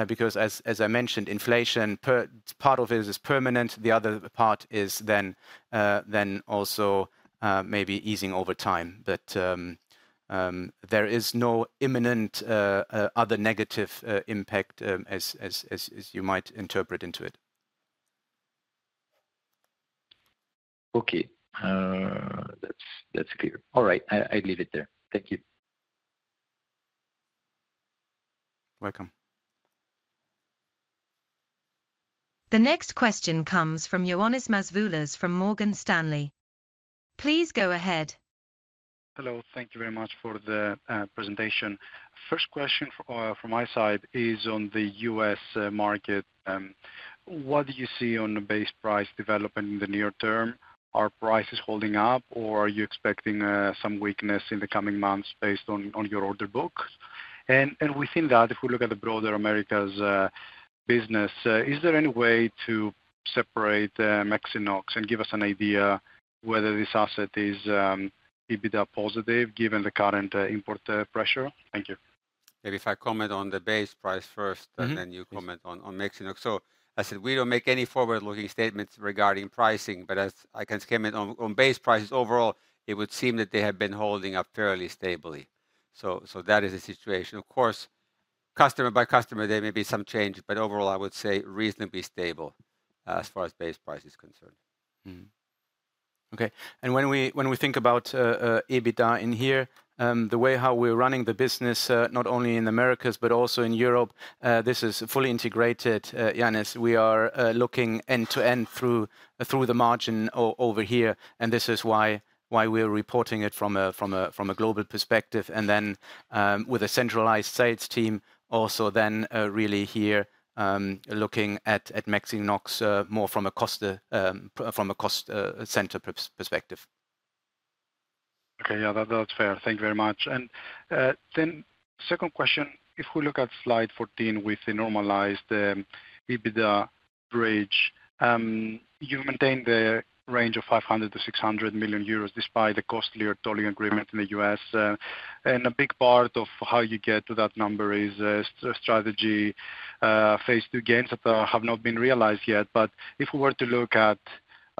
because as I mentioned, inflation part of it is permanent, the other part is then also maybe easing over time. But, there is no imminent other negative impact, as you might interpret into it. Okay. That's, that's clear. All right. I leave it there. Thank you. Welcome. The next question comes from Ioannis Masvoulas from Morgan Stanley. Please go ahead. Hello. Thank you very much for the presentation. First question from my side is on the U.S. market. What do you see on the base price development in the near term? Are prices holding up, or are you expecting some weakness in the coming months based on your order book? And within that, if we look at the broader Americas business, is there any way to separate Mexinox and give us an idea whether this asset is EBITDA positive given the current import pressure? Thank you. Maybe if I comment on the base price first- Mm-hmm... and then you comment on Mexinox. So I said we don't make any forward-looking statements regarding pricing, but as I can comment on base prices overall, it would seem that they have been holding up fairly stably. So that is the situation. Of course, customer by customer, there may be some change, but overall, I would say reasonably stable as far as base price is concerned. Mm-hmm. Okay, and when we think about EBITDA in here, the way how we're running the business, not only in Americas but also in Europe, this is fully integrated, Ioannis. We are looking end-to-end through the margin over here, and this is why we're reporting it from a global perspective. And then, with a centralized sales team, also then, really here, looking at Mexinox more from a cost center perspective. Okay. Yeah, that, that's fair. Thank you very much. Then second question: If we look at slide 14 with the normalized EBITDA bridge, you maintain the range of 500 million-600 million euros, despite the costlier tolling agreement in the US. And a big part of how you get to that number is strategy Phase Two gains that have not been realized yet. But if we were to look at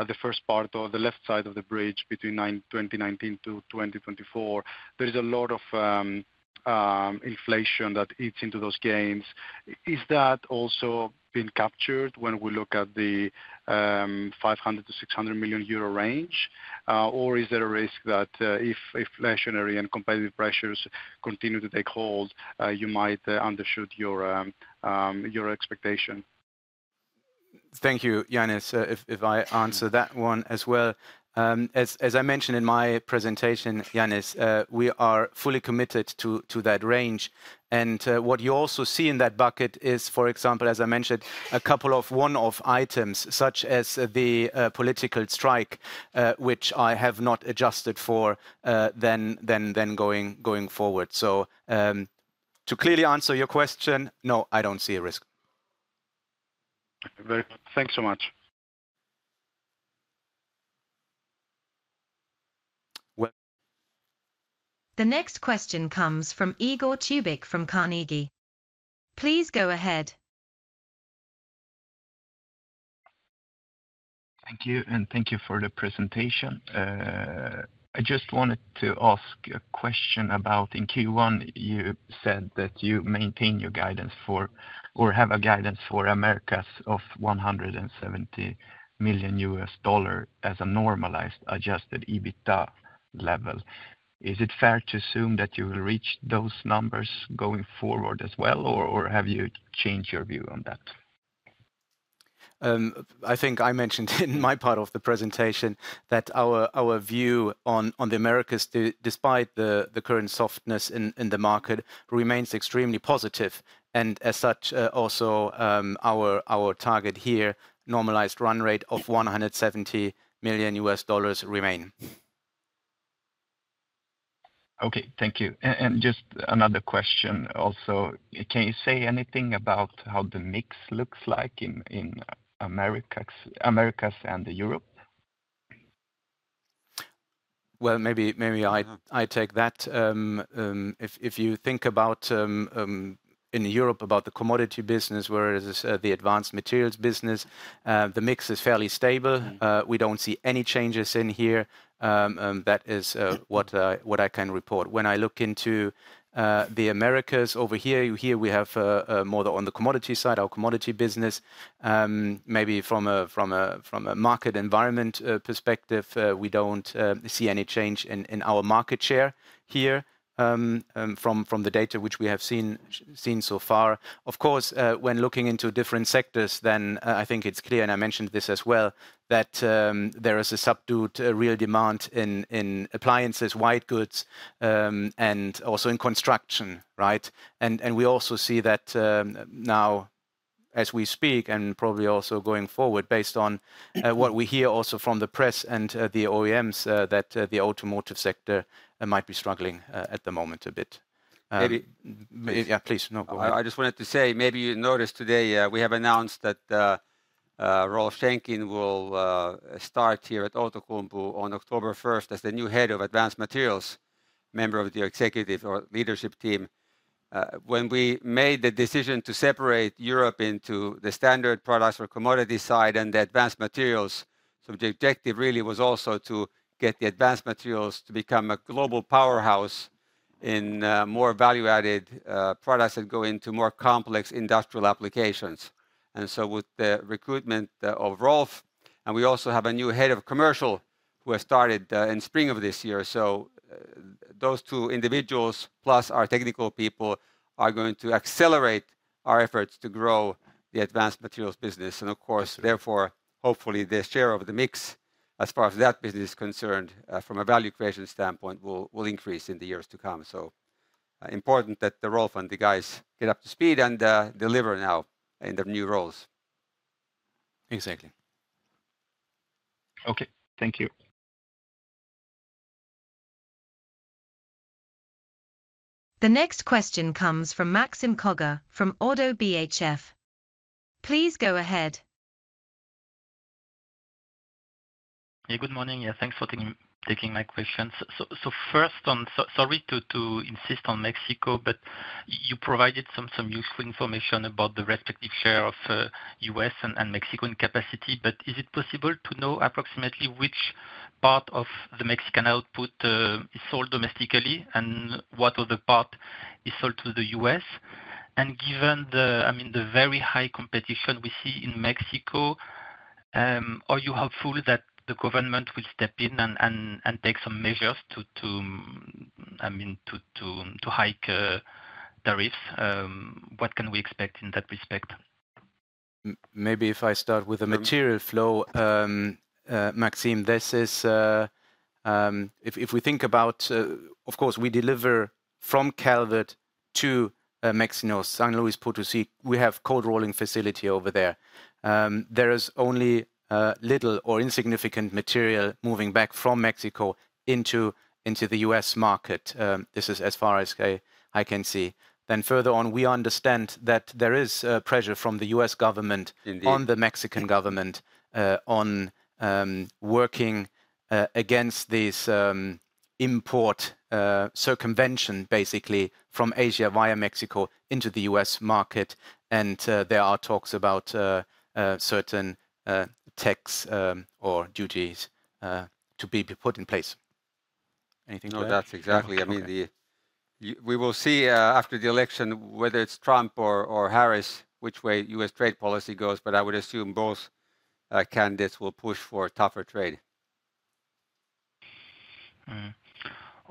the first part or the left side of the bridge between 2019 to 2024, there is a lot of inflation that eats into those gains. Is that also been captured when we look at the 500 million-600 million euro range? Or is there a risk that if inflationary and competitive pressures continue to take hold, you might undershoot your expectation? Thank you, Ioannis. If I answer that one as well. As I mentioned in my presentation, Ioannis, we are fully committed to that range. And what you also see in that bucket is, for example, as I mentioned, a couple of one-off items, such as the political strike, which I have not adjusted for, then going forward. So, to clearly answer your question, no, I don't see a risk. Very good. Thanks so much. The next question comes from Igor Tubic from Carnegie. Please go ahead. Thank you, and thank you for the presentation. I just wanted to ask a question about in Q1, you said that you maintain your guidance or have a guidance for Americas of $170 million as a normalized, adjusted EBITDA level. Is it fair to assume that you will reach those numbers going forward as well, or have you changed your view on that? I think I mentioned in my part of the presentation that our view on the Americas, despite the current softness in the market, remains extremely positive. And as such, also, our target here, normalized run rate of $170 million, remain. Okay, thank you. And just another question also: can you say anything about how the mix looks like in Americas and Europe? Well, maybe I take that. If you think about in Europe about the commodity business, whereas the Advanced Materials business, the mix is fairly stable. Mm-hmm. We don't see any changes in here. That is what I can report. When I look into the Americas over here, here we have more on the commodity side, our commodity business. Maybe from a market environment perspective, we don't see any change in our market share here, from the data which we have seen so far. Of course, when looking into different sectors, then I think it's clear, and I mentioned this as well, that there is a subdued real demand in appliances, white goods, and also in construction, right? And, and we also see that, now as we speak, and probably also going forward, based on, what we hear also from the press and, the OEMs, that, the automotive sector, might be struggling, at the moment a bit. Maybe- Yeah, please. No, go ahead. I just wanted to say, maybe you noticed today, we have announced that, Rolf Schenking will start here at Outokumpu on October first as the new head of Advanced Materials, member of the executive or leadership team. When we made the decision to separate Europe into the standard products or commodity side and the advanced materials, so the objective really was also to get the advanced materials to become a global powerhouse in, more value-added, products that go into more complex industrial applications. And so with the recruitment, of Rolf, and we also have a new head of commercial, who has started, in spring of this year. So, those two individuals, plus our technical people, are going to accelerate our efforts to grow the advanced materials business, and of course, therefore, hopefully, the share of the mix as far as that business is concerned, from a value creation standpoint, will increase in the years to come. So, important that the Rolf and the guys get up to speed and, deliver now in their new roles. Exactly. Okay. Thank you. The next question comes from Maxime Kogge from Oddo BHF. Please go ahead. Yeah, good morning. Yeah, thanks for taking my questions. So, first on—sorry to insist on Mexico, but you provided some useful information about the respective share of US and Mexican capacity. But is it possible to know approximately which part of the Mexican output is sold domestically, and what other part is sold to the US? And given the, I mean, the very high competition we see in Mexico, are you hopeful that the government will step in and take some measures to hike tariffs? What can we expect in that respect? Maybe if I start with the material flow, Maxime, this is if we think about, of course, we deliver from Calvert to Mexico, San Luis Potosí. We have cold rolling facility over there. There is only little or insignificant material moving back from Mexico into the U.S. market. This is as far as I can see. Then further on, we understand that there is pressure from the U.S. government- Indeed... on the Mexican government, on working against this import circumvention, basically, from Asia via Mexico into the U.S. market, and there are talks about certain tax or duties to be put in place. Anything to add? No, that's exactly. Okay. I mean, we will see after the election whether it's Trump or Harris which way U.S. trade policy goes, but I would assume both candidates will push for tougher trade.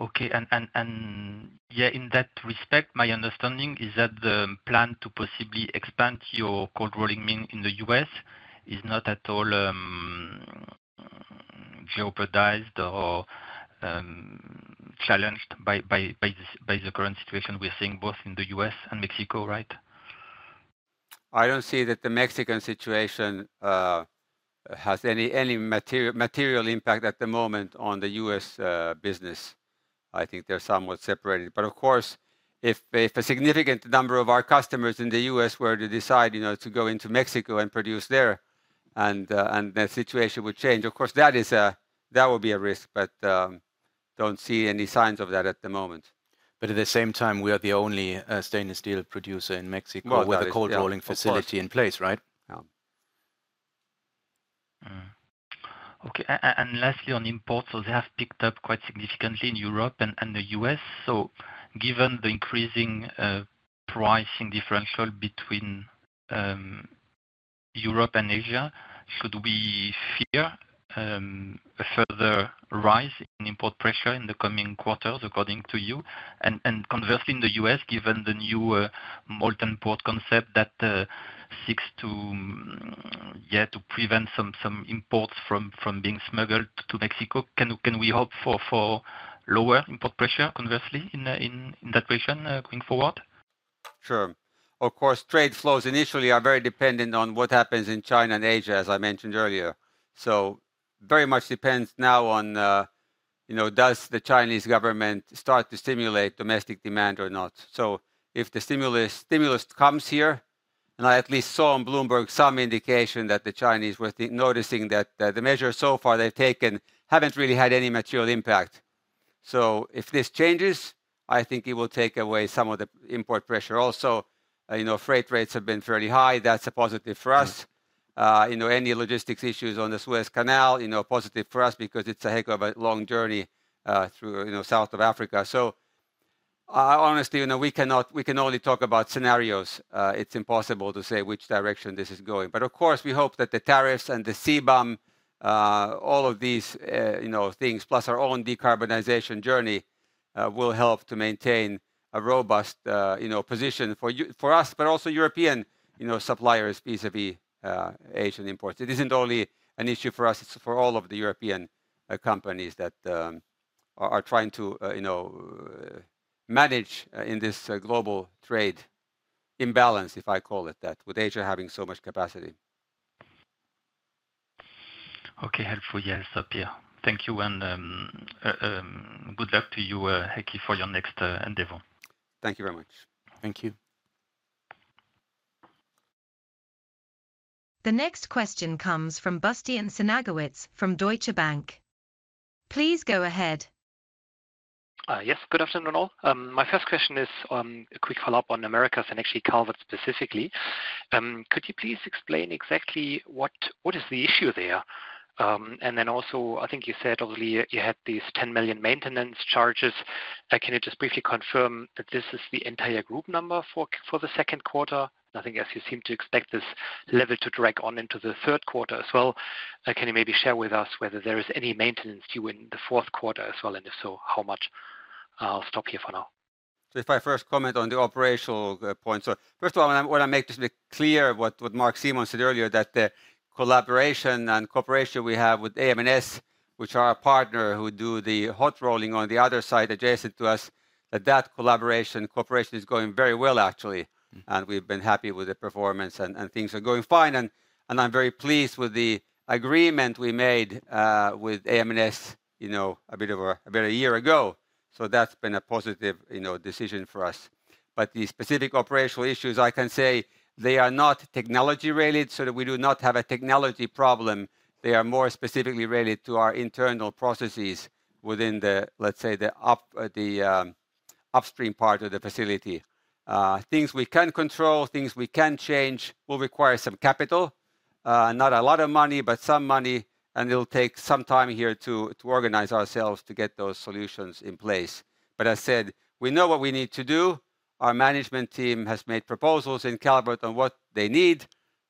Okay, and yeah, in that respect, my understanding is that the plan to possibly expand your cold rolling mill in the US is not at all, jeopardized or, challenged by the current situation we're seeing, both in the US and Mexico, right? I don't see that the Mexican situation has any material impact at the moment on the U.S. business. I think they're somewhat separated. But of course, if a significant number of our customers in the U.S. were to decide, you know, to go into Mexico and produce there, and the situation would change, of course, that is a... That would be a risk, but don't see any signs of that at the moment. But at the same time, we are the only, stainless steel producer in Mexico- Well, that is, yeah. with a cold rolling facility in place, right? Yeah. Okay, and lastly, on imports, so they have picked up quite significantly in Europe and the US. So given the increasing pricing differential between Europe and Asia, should we fear a further rise in import pressure in the coming quarters, according to you? And conversely, in the US, given the new melt and pour concept that seeks to prevent some imports from being smuggled to Mexico, can we hope for lower import pressure, conversely, in that region going forward? Sure. Of course, trade flows initially are very dependent on what happens in China and Asia, as I mentioned earlier. So very much depends now on, you know, does the Chinese government start to stimulate domestic demand or not? So if the stimulus comes here, and I at least saw on Bloomberg some indication that the Chinese were noticing that the measures so far they've taken haven't really had any material impact. So if this changes, I think it will take away some of the import pressure. Also, you know, freight rates have been fairly high. That's a positive for us. Mm. You know, any logistics issues on the Suez Canal, you know, positive for us, because it's a heck of a long journey through, you know, south of Africa. So, honestly, you know, we cannot, we can only talk about scenarios. It's impossible to say which direction this is going. But of course, we hope that the tariffs and the CBAM, all of these, you know, things, plus our own decarbonization journey, will help to maintain a robust, you know, position for us, but also European, you know, suppliers vis-a-vis Asian imports. It isn't only an issue for us, it's for all of the European companies that are trying to, you know, manage in this global trade imbalance, if I call it that, with Asia having so much capacity. Okay, helpful. Yeah, it's up here. Thank you, and good luck to you, Heikki, for your next endeavor. Thank you very much. Thank you. The next question comes from Bastian Synagowitz from Deutsche Bank. Please go ahead. Yes. Good afternoon, all. My first question is on a quick follow-up on Americas and actually Calvert specifically. Could you please explain exactly what, what is the issue there? And then also, I think you said earlier you had these 10 million maintenance charges. Can you just briefly confirm that this is the entire group number for the second quarter? I think as you seem to expect this level to drag on into the third quarter as well, can you maybe share with us whether there is any maintenance due in the fourth quarter as well, and if so, how much? I'll stop here for now. So if I first comment on the operational point. So first of all, I wanna make this clear what Marc-Simon Schaar said earlier, that the collaboration and cooperation we have with AM/NS, which are our partner, who do the hot rolling on the other side adjacent to us, that collaboration, cooperation is going very well, actually. Mm. We've been happy with the performance, and things are going fine, and I'm very pleased with the agreement we made with AM/NS, you know, a bit over, about a year ago. So that's been a positive, you know, decision for us. But the specific operational issues, I can say they are not technology-related, so that we do not have a technology problem. They are more specifically related to our internal processes within the, let's say, the upstream part of the facility. Things we can control, things we can change will require some capital, not a lot of money, but some money, and it'll take some time here to organize ourselves to get those solutions in place. But I said, we know what we need to do. Our management team has made proposals in Calvert on what they need.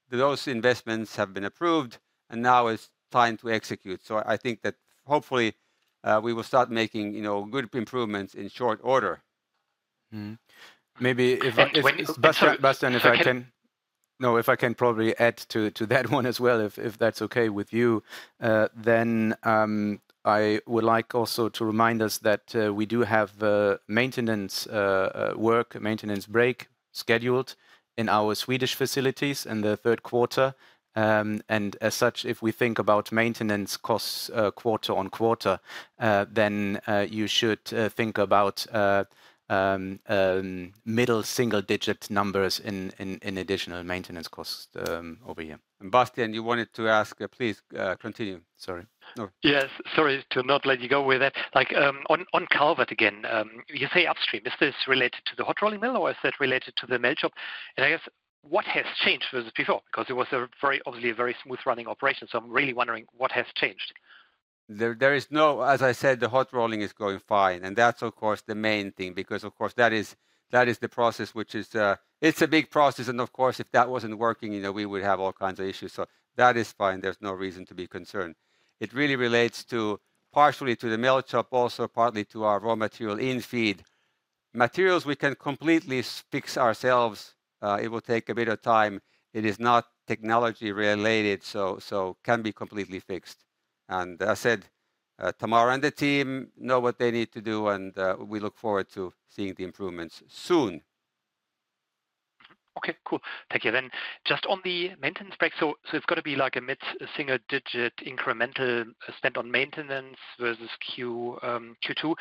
Those investments have been approved, and now it's time to execute. So I think that hopefully, we will start making, you know, good improvements in short order. Maybe if, if- And when is the third- Bastian, if I can-… No, if I can probably add to that one as well, if that's okay with you, then I would like also to remind us that we do have maintenance work, maintenance break scheduled in our Swedish facilities in the third quarter. And as such, if we think about maintenance costs, quarter-on-quarter, then you should think about middle single-digit numbers in additional maintenance costs over here. Bastian, you wanted to ask, please, continue. Sorry. No. Yes, sorry to not let you go with it. Like, on Calvert again, you say upstream, is this related to the hot rolling mill, or is that related to the melt shop? And I guess, what has changed versus before? Because it was a very, obviously, a very smooth-running operation, so I'm really wondering what has changed? There is no... As I said, the hot rolling is going fine, and that's, of course, the main thing, because, of course, that is, that is the process which is, it's a big process, and of course, if that wasn't working, you know, we would have all kinds of issues. So that is fine. There's no reason to be concerned. It really relates to, partially to the melt shop, also partly to our raw material in-feed. Materials we can completely fix ourselves. It will take a bit of time. It is not technology related, so, so can be completely fixed. And as said, Tamara and the team know what they need to do, and, we look forward to seeing the improvements soon. Okay, cool. Thank you. Then, just on the maintenance break, so it's got to be like a mid-single digit incremental spend on maintenance versus Q2.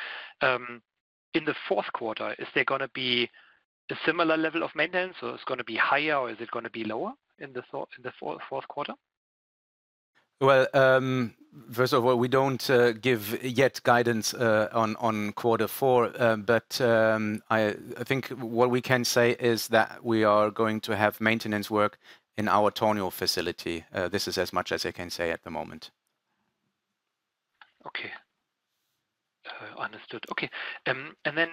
In the fourth quarter, is there gonna be a similar level of maintenance, or it's gonna be higher, or is it gonna be lower in the fourth quarter? Well, first of all, we don't give yet guidance on quarter four. But I think what we can say is that we are going to have maintenance work in our Tornio facility. This is as much as I can say at the moment. Okay. Understood. Okay. And then,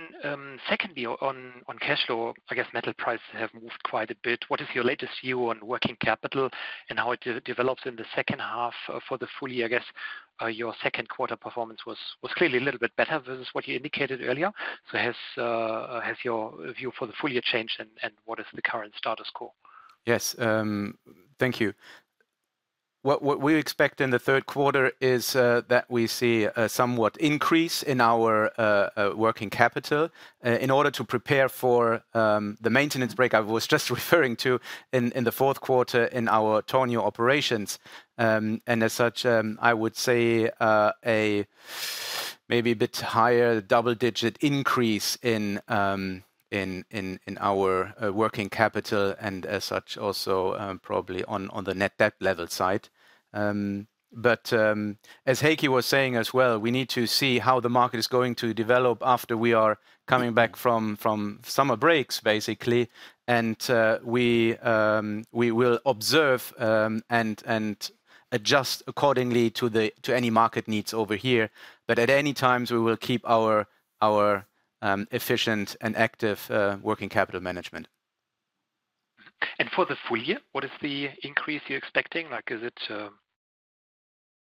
secondly, on cash flow, I guess metal prices have moved quite a bit. What is your latest view on working capital and how it develops in the second half for the full year? I guess, your second quarter performance was clearly a little bit better than what you indicated earlier. So has your view for the full year changed, and what is the current status quo? Yes, thank you. What we expect in the third quarter is that we see a somewhat increase in our working capital in order to prepare for the maintenance break I was just referring to in the fourth quarter in our Tornio operations. And as such, I would say a maybe a bit higher double-digit increase in our working capital, and as such, also probably on the net debt level side. But as Heikki was saying as well, we need to see how the market is going to develop after we are coming back from summer breaks, basically. And we will observe and adjust accordingly to any market needs over here. At any times, we will keep our efficient and active working capital management. For the full year, what is the increase you're expecting? Like,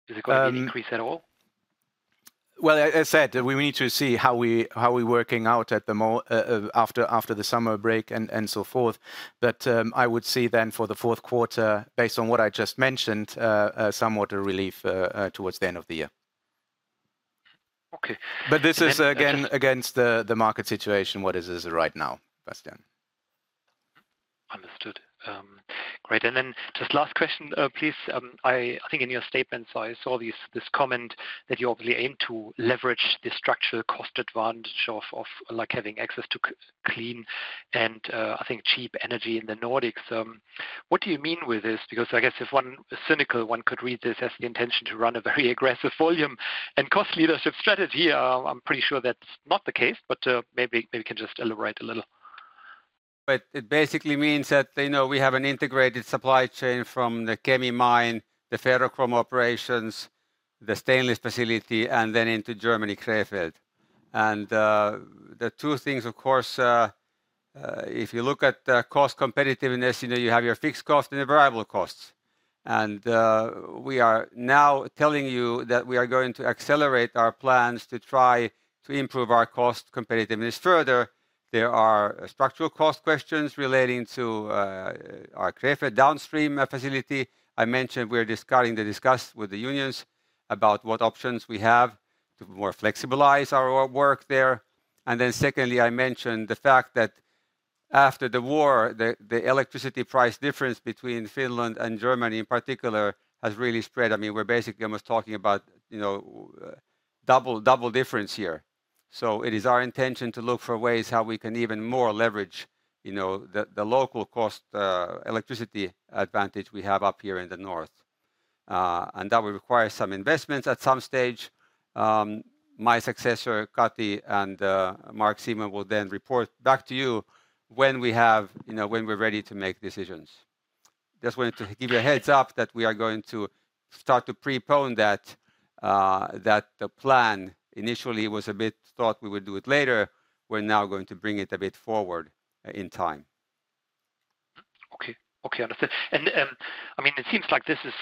is it, is it going to increase at all? Well, as I said, we need to see how we're working out at the moment after the summer break and so forth. But, I would see then for the fourth quarter, based on what I just mentioned, somewhat a relief towards the end of the year. Okay. But this is again against the market situation, what is as of right now, Bastian. Understood. Great. And then just last question, please. I think in your statements, I saw this comment that you obviously aim to leverage the structural cost advantage of, like, having access to clean and, I think cheap energy in the Nordics. What do you mean with this? Because I guess if one is cynical, one could read this as the intention to run a very aggressive volume and cost leadership strategy. I'm pretty sure that's not the case, but, maybe you can just elaborate a little. It basically means that, you know, we have an integrated supply chain from the Kemi mine, the ferrochrome operations, the stainless facility, and then into Germany, Krefeld. The two things, of course, if you look at the cost competitiveness, you know, you have your fixed costs and your variable costs. We are now telling you that we are going to accelerate our plans to try to improve our cost competitiveness further. There are structural cost questions relating to our Krefeld downstream facility. I mentioned we're starting to discuss with the unions about what options we have to more flexibilize our work there. Then secondly, I mentioned the fact that after the war, the electricity price difference between Finland and Germany, in particular, has really spread. I mean, we're basically almost talking about, you know, double difference here. So it is our intention to look for ways how we can even more leverage, you know, the local cost electricity advantage we have up here in the north. And that will require some investments at some stage. My successor, Kati, and Marc-Simon Schaar will then report back to you when we have... You know, when we're ready to make decisions. Just wanted to give you a heads-up that we are going to start to prepone that plan. Initially, was a bit thought we would do it later. We're now going to bring it a bit forward in time. Okay. Okay, understood. And, I mean, it seems like this is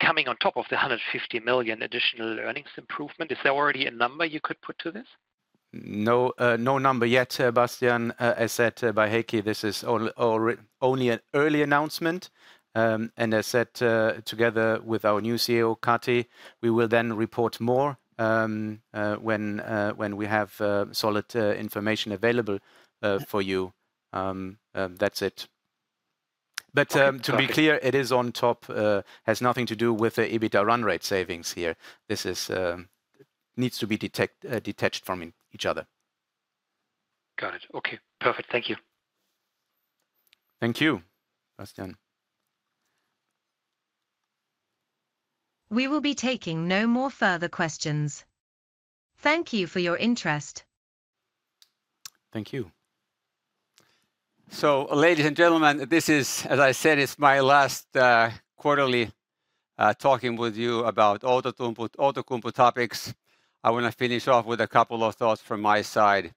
coming on top of the 150 million additional earnings improvement. Is there already a number you could put to this?... No, no number yet, Bastian. As said by Heikki, this is only an early announcement. And as said, together with our new CEO, Kati, we will then report more, when we have solid information available for you. That's it. But, to be clear, it is on top... It has nothing to do with the EBITDA run rate savings here. This needs to be detached from each other. Got it. Okay, perfect. Thank you. Thank you, Bastian. We will be taking no more further questions. Thank you for your interest. Thank you. So ladies and gentlemen, this is, as I said, it's my last quarterly talking with you about Outokumpu, Outokumpu topics. I wanna finish off with a couple of thoughts from my side.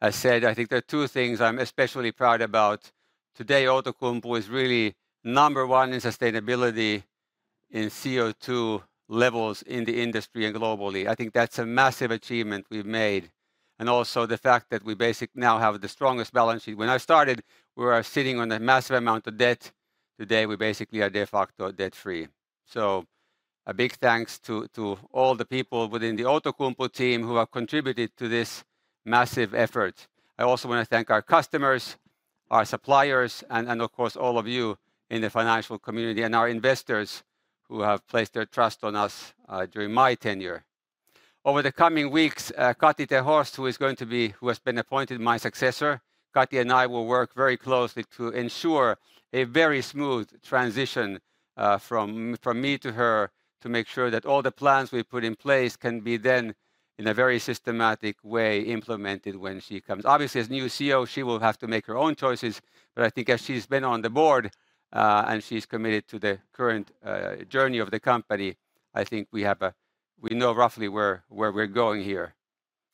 I said I think there are two things I'm especially proud about. Today, Outokumpu is really number one in sustainability in CO2 levels in the industry and globally. I think that's a massive achievement we've made, and also the fact that we basically now have the strongest balance sheet. When I started, we were sitting on a massive amount of debt. Today, we basically are de facto debt-free. So a big thanks to all the people within the Outokumpu team who have contributed to this massive effort. I also wanna thank our customers, our suppliers, and of course, all of you in the financial community and our investors who have placed their trust on us during my tenure. Over the coming weeks, Kati ter Horst, who has been appointed my successor, Kati and I will work very closely to ensure a very smooth transition from me to her, to make sure that all the plans we've put in place can be then, in a very systematic way, implemented when she comes. Obviously, as new CEO, she will have to make her own choices, but I think as she's been on the board and she's committed to the current journey of the company, I think we know roughly where we're going here.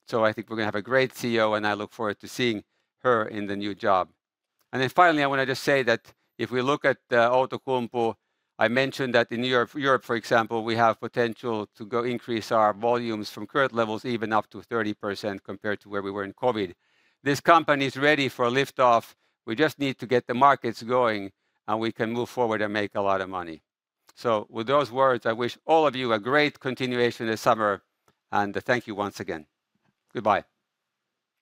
So I think we're gonna have a great CEO, and I look forward to seeing her in the new job. And then finally, I wanna just say that if we look at, Outokumpu, I mentioned that in Europe, Europe, for example, we have potential to go increase our volumes from current levels, even up to 30% compared to where we were in COVID. This company is ready for liftoff. We just need to get the markets going, and we can move forward and make a lot of money. So with those words, I wish all of you a great continuation this summer, and thank you once again. Goodbye.